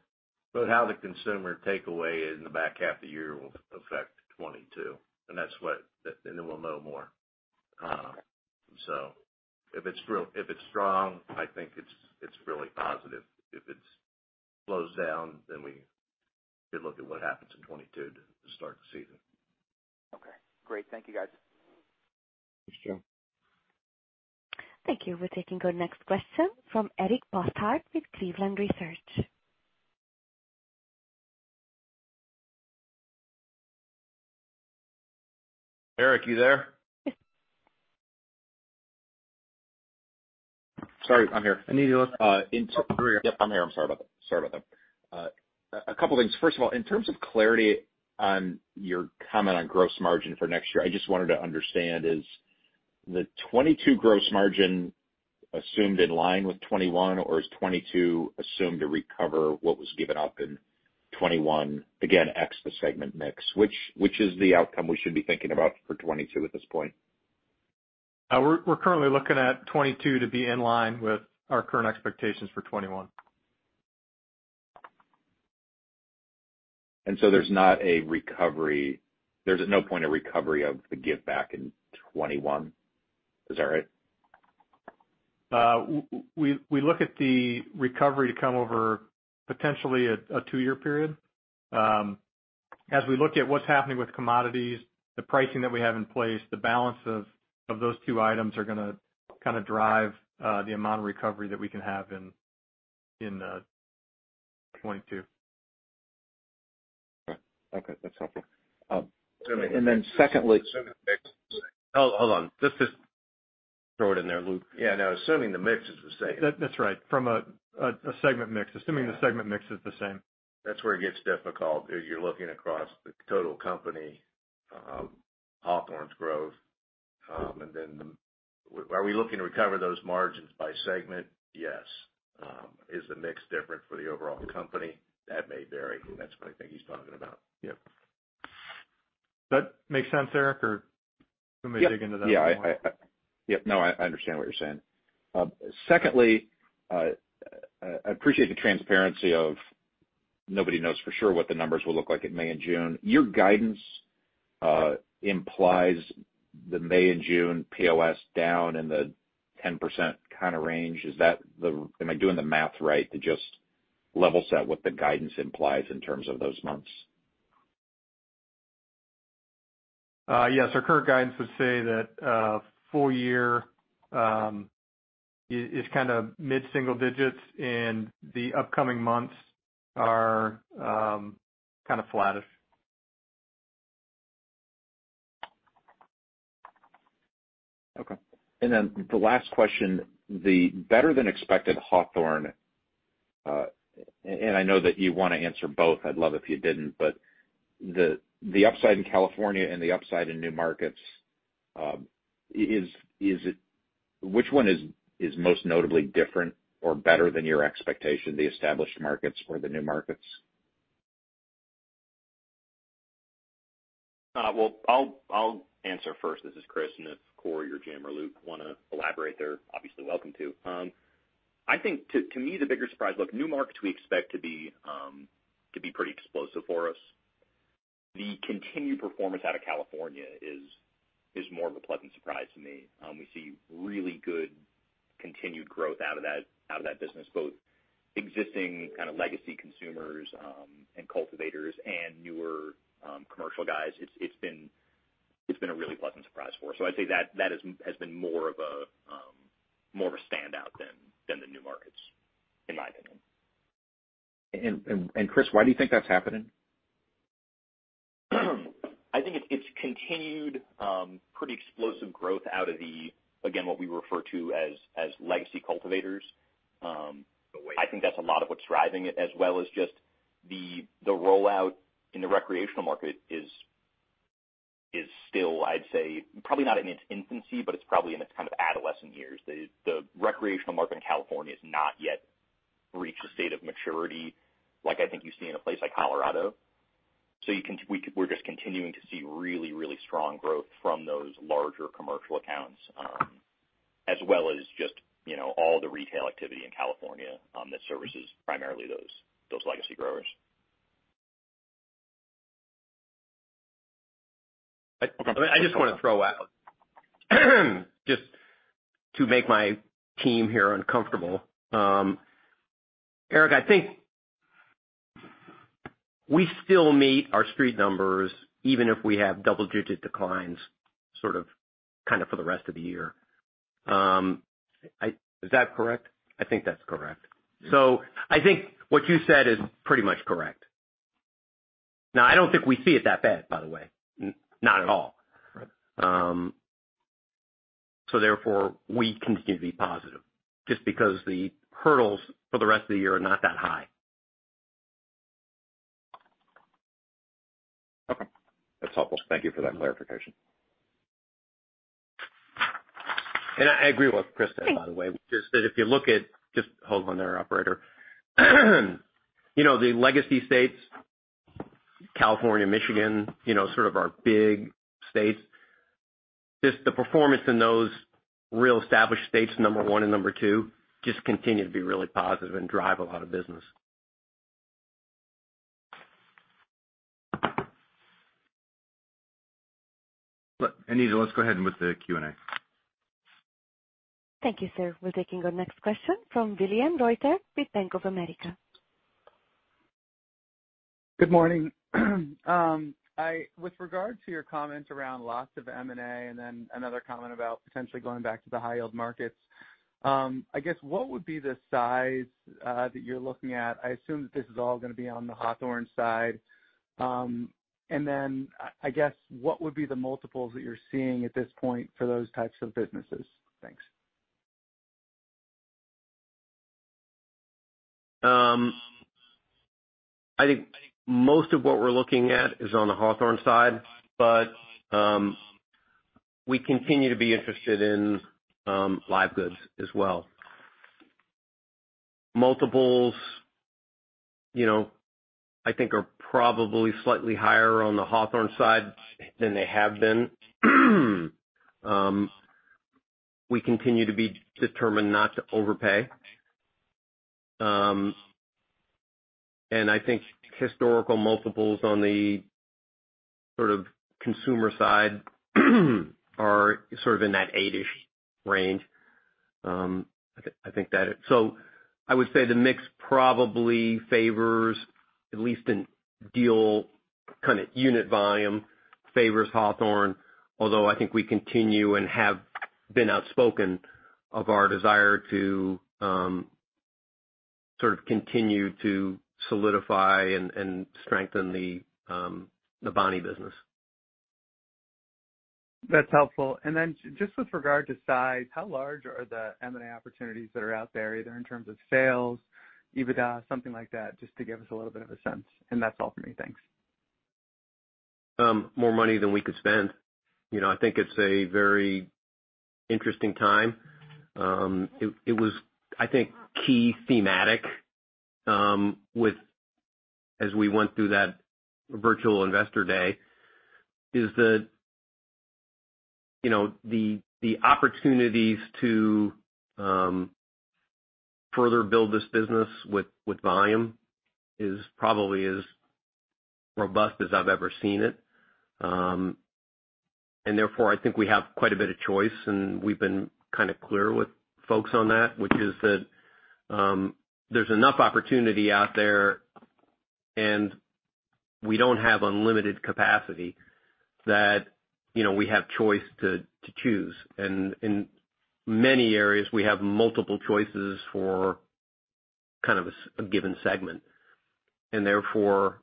How the consumer takeaway in the back half of the year will affect 2022, and then we'll know more. If it's strong, I think it's really positive. If it slows down, then we can look at what happens in 2022 to start the season. Okay, great. Thank you, guys. Thanks, Joe. Thank you. We're taking our next question from Eric Bosshard with Cleveland Research Company. Eric, you there? Sorry, I'm here. I need to look. Yep, I'm here. I'm sorry about that. A couple of things. First of all, in terms of clarity on your comment on gross margin for next year, I just wanted to understand, is the 2022 gross margin assumed in line with 2021, or is 2022 assumed to recover what was given up in 2021, again, ex the segment mix? Which is the outcome we should be thinking about for 2022 at this point? We're currently looking at 2022 to be in line with our current expectations for 2021. There's no point of recovery of the give back in 2021? Is that right? We look at the recovery to come over potentially a two-year period. As we look at what's happening with commodities, the pricing that we have in place, the balance of those two items are going to kind of drive the amount of recovery that we can have in 2022. Okay. That's helpful. Assuming the mix is the same. Hold on. Just to throw it in there, Luke. Yeah, no, assuming the mix is the same. That's right. From a segment mix, assuming the segment mix is the same. That's where it gets difficult, is you're looking across the total company, Hawthorne's growth. Are we looking to recover those margins by segment? Yes. Is the mix different for the overall company? That may vary, and that's what I think he's talking about. Yep. Does that make sense, Eric? Do you want me to dig into that more? Yeah. No, I understand what you're saying. Secondly, I appreciate the transparency of nobody knows for sure what the numbers will look like in May and June. Your guidance implies the May and June POS down in the 10% kind of range. Am I doing the math right to just level set what the guidance implies in terms of those months? Yes. Our current guidance would say that full year is kind of mid-single digits, and the upcoming months are kind of flattish. Okay. The last question, the better than expected Hawthorne, I know that you want to answer both. I'd love if you didn't, the upside in California and the upside in new markets, which one is most notably different or better than your expectation, the established markets or the new markets? I'll answer first. This is Chris, and if Cory or Jim or Luke want to elaborate, they're obviously welcome to. I think to me, the bigger surprise, look, new markets we expect to be pretty explosive for us. The continued performance out of California is more of a pleasant surprise to me. We see really good continued growth out of that business, both existing kind of legacy consumers and cultivators and newer commercial guys. It's been a really pleasant surprise for us. I'd say that has been more of a standout than the new markets, in my opinion. Chris, why do you think that's happening? I think it's continued pretty explosive growth out of the, again, what we refer to as legacy cultivators. I think that's a lot of what's driving it, as well as just the rollout in the recreational market is still, I'd say, probably not in its infancy, but it's probably in its kind of adolescent years. The recreational market in California has not yet reached a state of maturity like I think you see in a place like Colorado. We're just continuing to see really strong growth from those larger commercial accounts, as well as just all the retail activity in California that services primarily those legacy growers. I just want to throw out, just to make my team here uncomfortable. Eric, I think we still meet our Street numbers even if we have double-digit declines, sort of for the rest of the year. Is that correct? I think that's correct. I think what you said is pretty much correct. I don't think we see it that bad, by the way. Not at all. Right. Therefore, we continue to be positive just because the hurdles for the rest of the year are not that high. Okay. That's helpful. Thank you for that clarification. I agree with what Chris said, by the way. Just hold on there, operator. The legacy states, California, Michigan, sort of our big states, just the performance in those real established states, number one and number two, just continue to be really positive and drive a lot of business. Look, Anita, let's go ahead and with the Q&A. Thank you, sir. We're taking our next question from William Reuter with Bank of America. Good morning. With regard to your comment around lots of M&A, and then another comment about potentially going back to the high-yield markets, I guess, what would be the size that you're looking at? I assume that this is all going to be on the Hawthorne side. And then, I guess, what would be the multiples that you're seeing at this point for those types of businesses? Thanks. I think most of what we're looking at is on the Hawthorne side, but we continue to be interested in live goods as well. Multiples, I think are probably slightly higher on the Hawthorne side than they have been. We continue to be determined not to overpay. I think historical multiples on the consumer side are in that eight-ish range. I would say the mix probably favors, at least in deal kind of unit volume, favors Hawthorne, although I think we continue and have been outspoken of our desire to continue to solidify and strengthen the Bonnie business. That's helpful. Then just with regard to size, how large are the M&A opportunities that are out there, either in terms of sales, EBITDA, something like that, just to give us a little bit of a sense. That's all for me. Thanks. More money than we could spend. I think it's a very interesting time. It was, I think, key thematic as we went through that virtual investor day, is that the opportunities to further build this business with volume is probably as robust as I've ever seen it. Therefore, I think we have quite a bit of choice, and we've been kind of clear with folks on that, which is that there's enough opportunity out there and we don't have unlimited capacity, that we have choice to choose. In many areas, we have multiple choices for kind of a given segment. Therefore,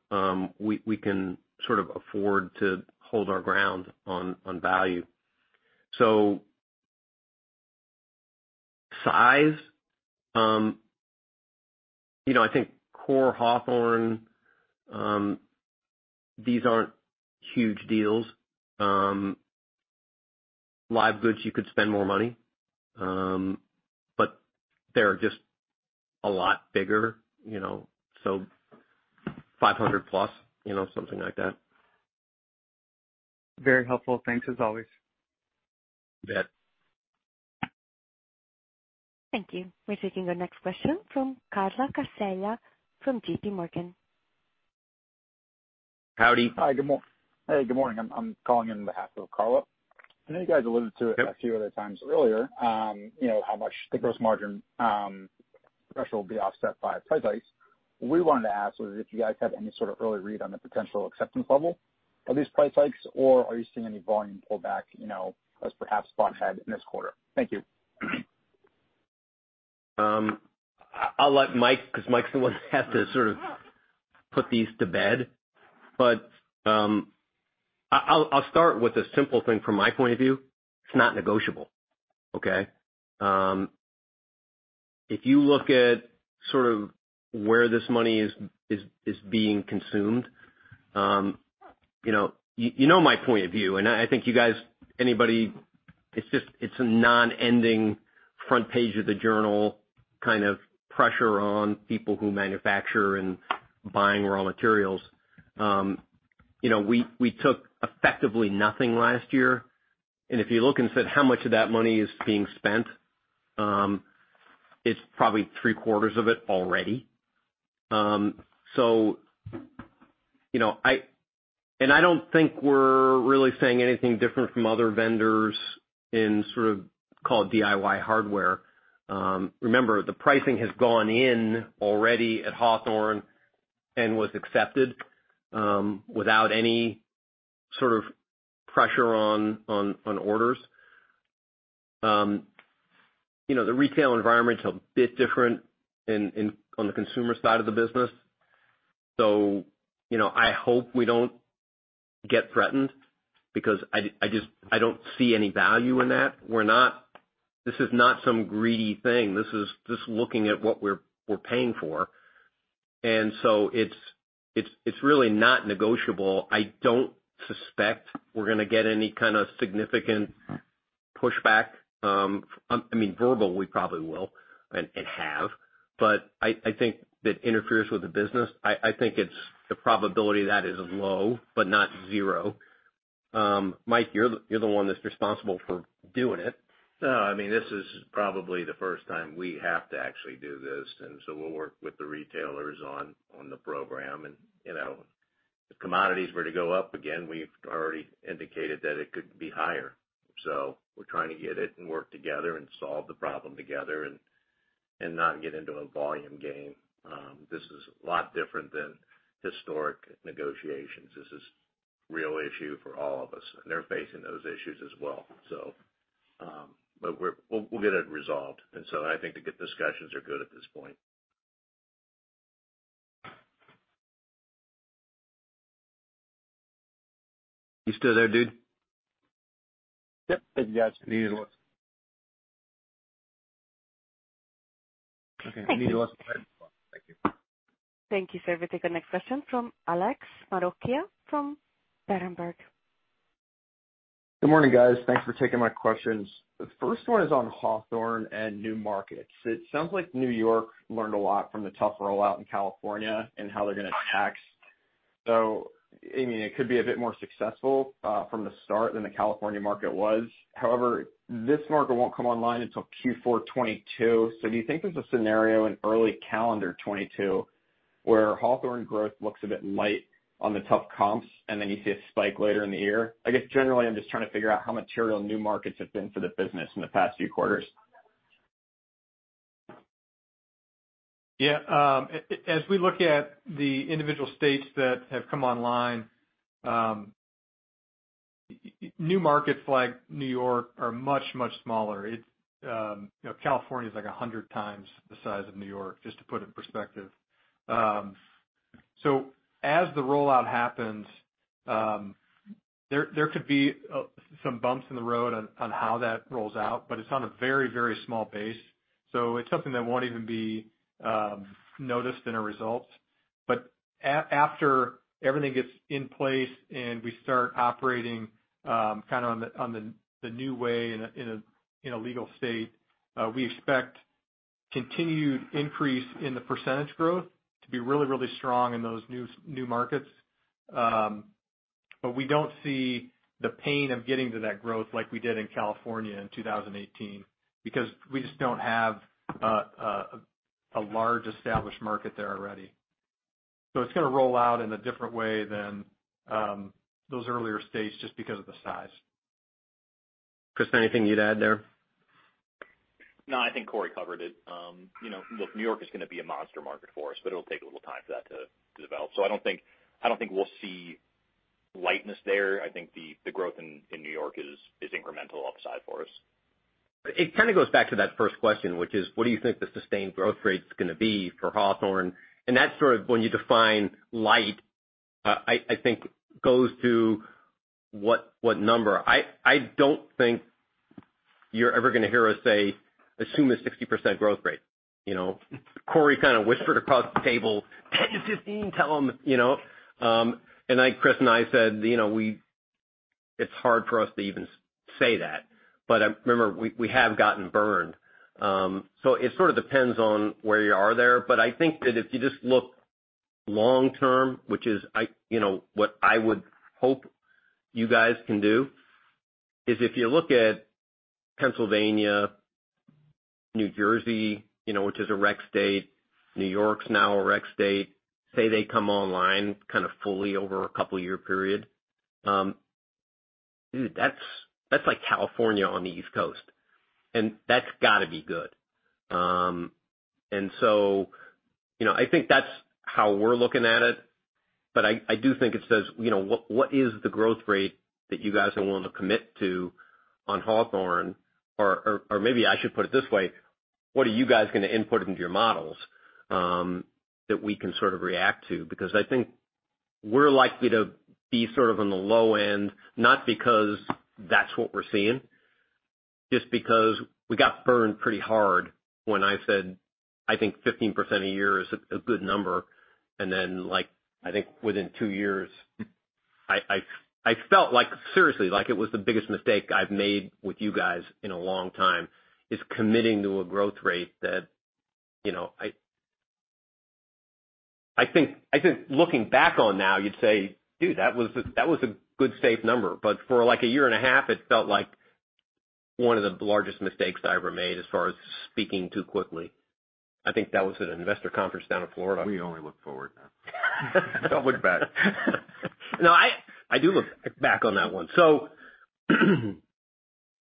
we can sort of afford to hold our ground on value. Size, I think core Hawthorne, these aren't huge deals. Live goods, you could spend more money. They're just a lot bigger, so 500+, something like that. Very helpful. Thanks as always. You bet. Thank you. We're taking our next question from Carla Casella from J.P. Morgan. Howdy. Hi. Hey, good morning. I'm calling in behalf of Carla. I know you guys alluded to it. Yep a few other times earlier, how much the gross margin threshold will be offset by price hikes. What we wanted to ask was if you guys have any sort of early read on the potential acceptance level of these price hikes, or are you seeing any volume pullback, as perhaps Scotts had in this quarter? Thank you. I'll let Mike, because Mike's the one that has to sort of put these to bed. I'll start with a simple thing from my point of view, it's not negotiable. Okay. If you look at sort of where this money is being consumed, you know my point of view, and I think you guys, anybody, it's a non-ending front page of the journal kind of pressure on people who manufacture and buying raw materials. We took effectively nothing last year. If you look and said how much of that money is being spent, it's probably three-quarters of it already. I don't think we're really saying anything different from other vendors in sort of, call it DIY hardware. Remember, the pricing has gone in already at Hawthorne and was accepted without any sort of pressure on orders. The retail environment's a bit different on the consumer side of the business. I hope we don't get threatened because I don't see any value in that. This is not some greedy thing. This is just looking at what we're paying for. It's really not negotiable. I don't suspect we're gonna get any kind of significant pushback. Verbal, we probably will and have. I think that interferes with the business. I think the probability of that is low but not zero. Mike, you're the one that's responsible for doing it. No, this is probably the first time we have to actually do this. We'll work with the retailers on the program. If commodities were to go up again, we've already indicated that it could be higher. We're trying to get it and work together and solve the problem together and not get into a volume game. This is a lot different than historic negotiations. This is real issue for all of us, and they're facing those issues as well. We'll get it resolved. I think the discussions are good at this point. You still there, dude? Yep. Yes. Need to listen. Thank you. Thank you, sir. We take the next question from Alex Maroccia from Berenberg. Good morning, guys. Thanks for taking my questions. The first one is on Hawthorne and new markets. It sounds like New York learned a lot from the tough rollout in California and how they're gonna tax. It could be a bit more successful, from the start than the California market was. However, this market won't come online until Q4 2022. Do you think there's a scenario in early calendar 2022 where Hawthorne growth looks a bit light on the tough comps, and then you see a spike later in the year? I guess generally I'm just trying to figure out how material new markets have been for the business in the past few quarters. Yeah. As we look at the individual states that have come online, new markets like New York are much, much smaller. California is like 100x the size of New York, just to put it in perspective. As the rollout happens, there could be some bumps in the road on how that rolls out, but it's on a very small base, so it's something that won't even be noticed in our results. After everything gets in place and we start operating on the new way in a legal state, we expect continued increase in the percentage growth to be really strong in those new markets. We don't see the pain of getting to that growth like we did in California in 2018, because we just don't have a large established market there already. It's going to roll out in a different way than those earlier states just because of the size. Chris, anything you'd add there? No, I think Cory covered it. Look, New York is going to be a monster market for us, but it'll take a little time for that to develop. I don't think we'll see lightness there. I think the growth in New York is incremental upside for us. It kind of goes back to that first question, which is, what do you think the sustained growth rate's going to be for Hawthorne? That sort of when you define light, I think goes to what number. I don't think you're ever going to hear us say, assume a 60% growth rate. Cory kind of whispered across the table, "10-15, tell them." Chris and I said, it's hard for us to even say that. Remember, we have gotten burned. It sort of depends on where you are there. I think that if you just look long-term, which is what I would hope you guys can do, is if you look at Pennsylvania, New Jersey, which is a rec state, New York's now a rec state. Say they come online kind of fully over a couple year period. Dude, that's like California on the East Coast. That's got to be good. I think that's how we're looking at it, but I do think it says, what is the growth rate that you guys are willing to commit to on Hawthorne? Maybe I should put it this way, what are you guys going to input into your models that we can sort of react to? I think we're likely to be sort of on the low end, not because that's what we're seeing, just because we got burned pretty hard when I said, I think 15% a year is a good number, and then like, I think within two years, I felt like, seriously, like it was the biggest mistake I've made with you guys in a long time, is committing to a growth rate that I think looking back on now, you'd say, "Dude, that was a good safe number." For like a year and a half, it felt like one of the largest mistakes I ever made as far as speaking too quickly. I think that was at an Investor conference down in Florida. We only look forward now. Don't look back. No, I do look back on that one.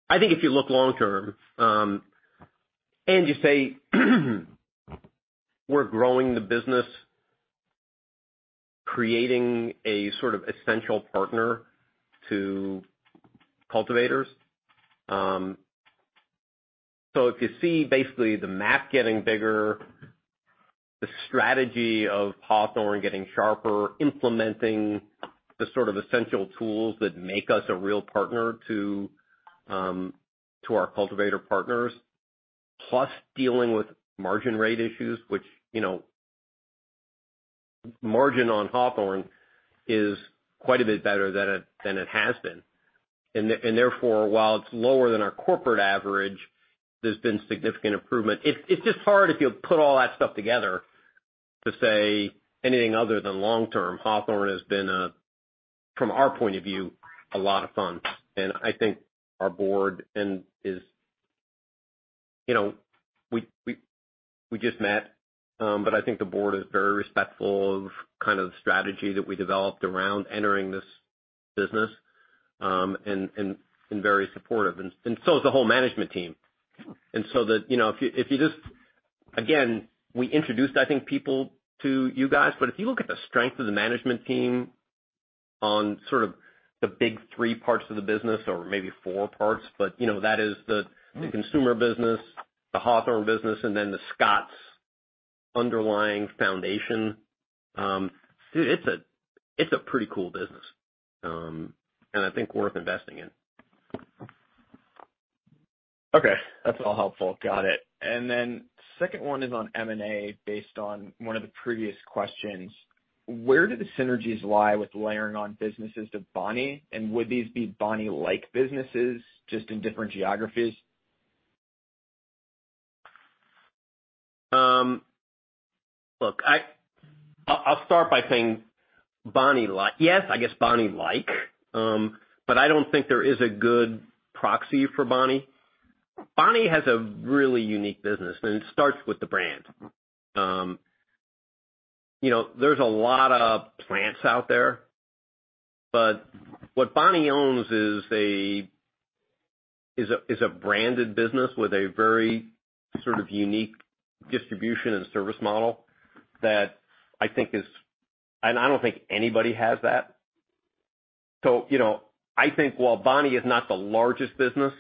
I think if you look long-term, and you say we're growing the business, creating a sort of essential partner to cultivators. If you see basically the map getting bigger, the strategy of Hawthorne getting sharper, implementing the sort of essential tools that make us a real partner to our cultivator partners, plus dealing with margin rate issues, which margin on Hawthorne is quite a bit better than it has been. Therefore, while it's lower than our corporate average, there's been significant improvement. It's just hard if you put all that stuff together to say anything other than long-term. Hawthorne has been, from our point of view, a lot of fun. I think our board is-- We just met, but I think the board is very respectful of kind of the strategy that we developed around entering this business, and very supportive. So is the whole management team. So if you just, again, we introduced, I think, people to you guys, but if you look at the strength of the management team on sort of the big three parts of the business or maybe four parts, but that is the consumer business, the Hawthorne business, and then the Scotts underlying foundation. Dude, it's a pretty cool business, and I think worth investing in. Okay, that's all helpful. Got it. Second one is on M&A based on one of the previous questions. Where do the synergies lie with layering on businesses to Bonnie, and would these be Bonnie-like businesses, just in different geographies? Look, I'll start by saying yes, I guess Bonnie-like. I don't think there is a good proxy for Bonnie. Bonnie has a really unique business, and it starts with the brand. There's a lot of plants out there, but what Bonnie owns is a branded business with a very sort of unique distribution and service model that I think is. I don't think anybody has that. I think while Bonnie is not the largest business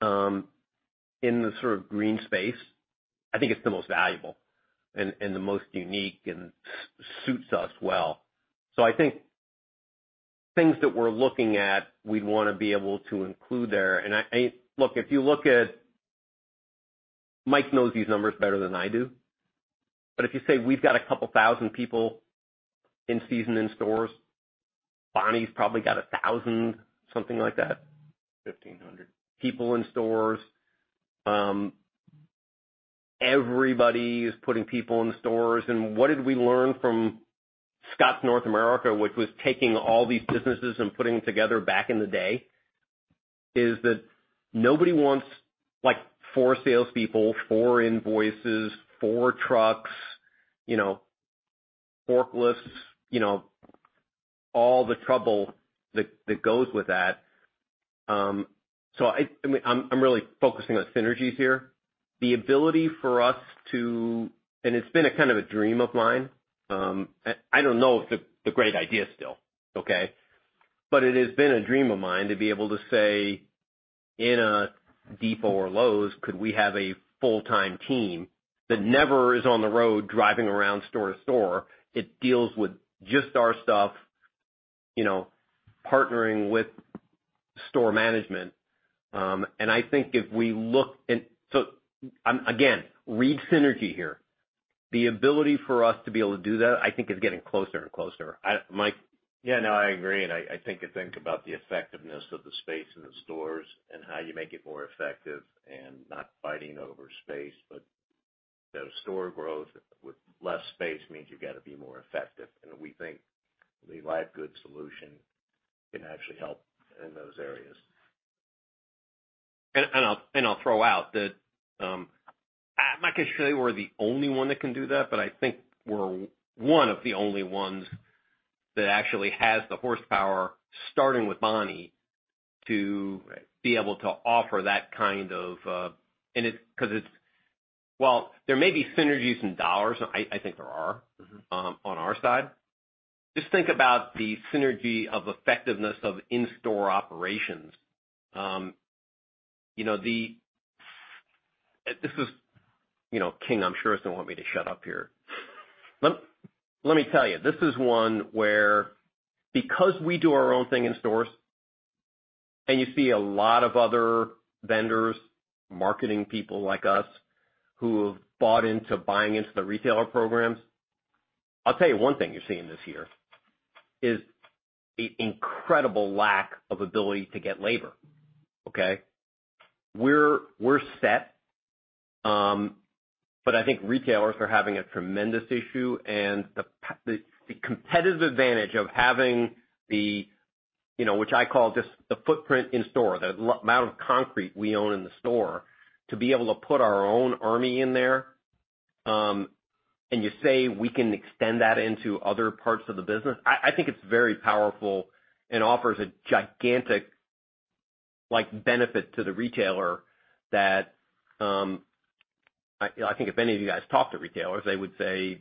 in the sort of green space, I think it's the most valuable and the most unique and suits us well. I think things that we're looking at, we'd want to be able to include there. Mike knows these numbers better than I do, but if you say we've got a couple thousand people in season in stores, Bonnie's probably got 1,000, something like that. 1,500. People in stores. Everybody is putting people in stores. What did we learn from Scotts North America, which was taking all these businesses and putting them together back in the day, is that nobody wants four salespeople, four invoices, four trucks, forklifts, all the trouble that goes with that. I'm really focusing on synergies here. It's been a kind of a dream of mine. I don't know if it's a great idea still, okay? It has been a dream of mine to be able to say, in a Depot or Lowe's, could we have a full-time team that never is on the road driving around store to store? It deals with just our stuff, partnering with store management. Again, read synergy here. The ability for us to be able to do that, I think, is getting closer and closer. Mike? Yeah, no, I agree. I think about the effectiveness of the space in the stores and how you make it more effective and not fighting over space, but the store growth with less space means you've got to be more effective. We think the live goods solution can actually help in those areas. I'll throw out that I'm not going to say we're the only one that can do that, but I think we're one of the only ones that actually has the horsepower, starting with Bonnie, to be able to offer that kind of while there may be synergies in dollars, I think there are on our side. Just think about the synergy of effectiveness of in-store operations. King, I'm sure, is going to want me to shut up here. Let me tell you, this is one where, because we do our own thing in stores, and you see a lot of other vendors, marketing people like us, who have bought into buying into the retailer programs. I'll tell you one thing you're seeing this year is a incredible lack of ability to get labor. Okay. We're set, I think retailers are having a tremendous issue, and the competitive advantage of having the, which I call just the footprint in store, the amount of concrete we own in the store to be able to put our own army in there, and you say we can extend that into other parts of the business. I think it's very powerful and offers a gigantic benefit to the retailer that I think if any of you guys talk to retailers, they would say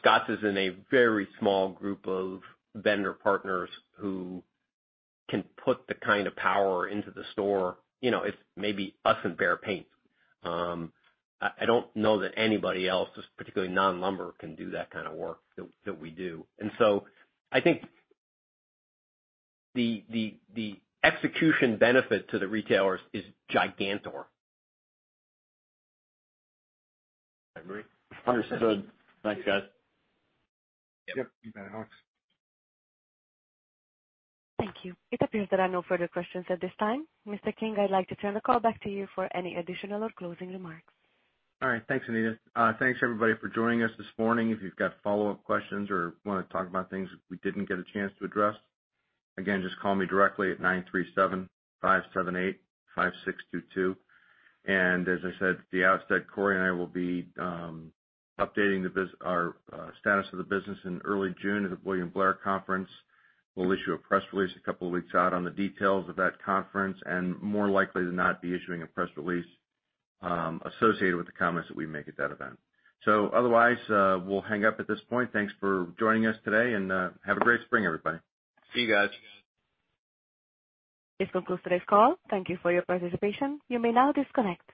Scotts is in a very small group of vendor partners who can put the kind of power into the store. It's maybe us and Behr Paint. I don't know that anybody else, particularly non-lumber, can do that kind of work that we do. I think the execution benefit to the retailers is gigantor. Understood. Thanks, guys. Yep. You bet, Alex. Thank you. It appears that are no further questions at this time. Mr. King, I'd like to turn the call back to you for any additional or closing remarks. All right. Thanks, Anita. Thanks everybody for joining us this morning. If you've got follow-up questions or want to talk about things we didn't get a chance to address, again, just call me directly at 937-578-5622. As I said at the outset, Cory and I will be updating our status of the business in early June at the William Blair Conference. We'll issue a press release a couple of weeks out on the details of that conference, and more likely than not, be issuing a press release associated with the comments that we make at that event. Otherwise, we'll hang up at this point. Thanks for joining us today, and have a great spring, everybody. See you guys. This concludes today's call. Thank you for your participation. You may now disconnect.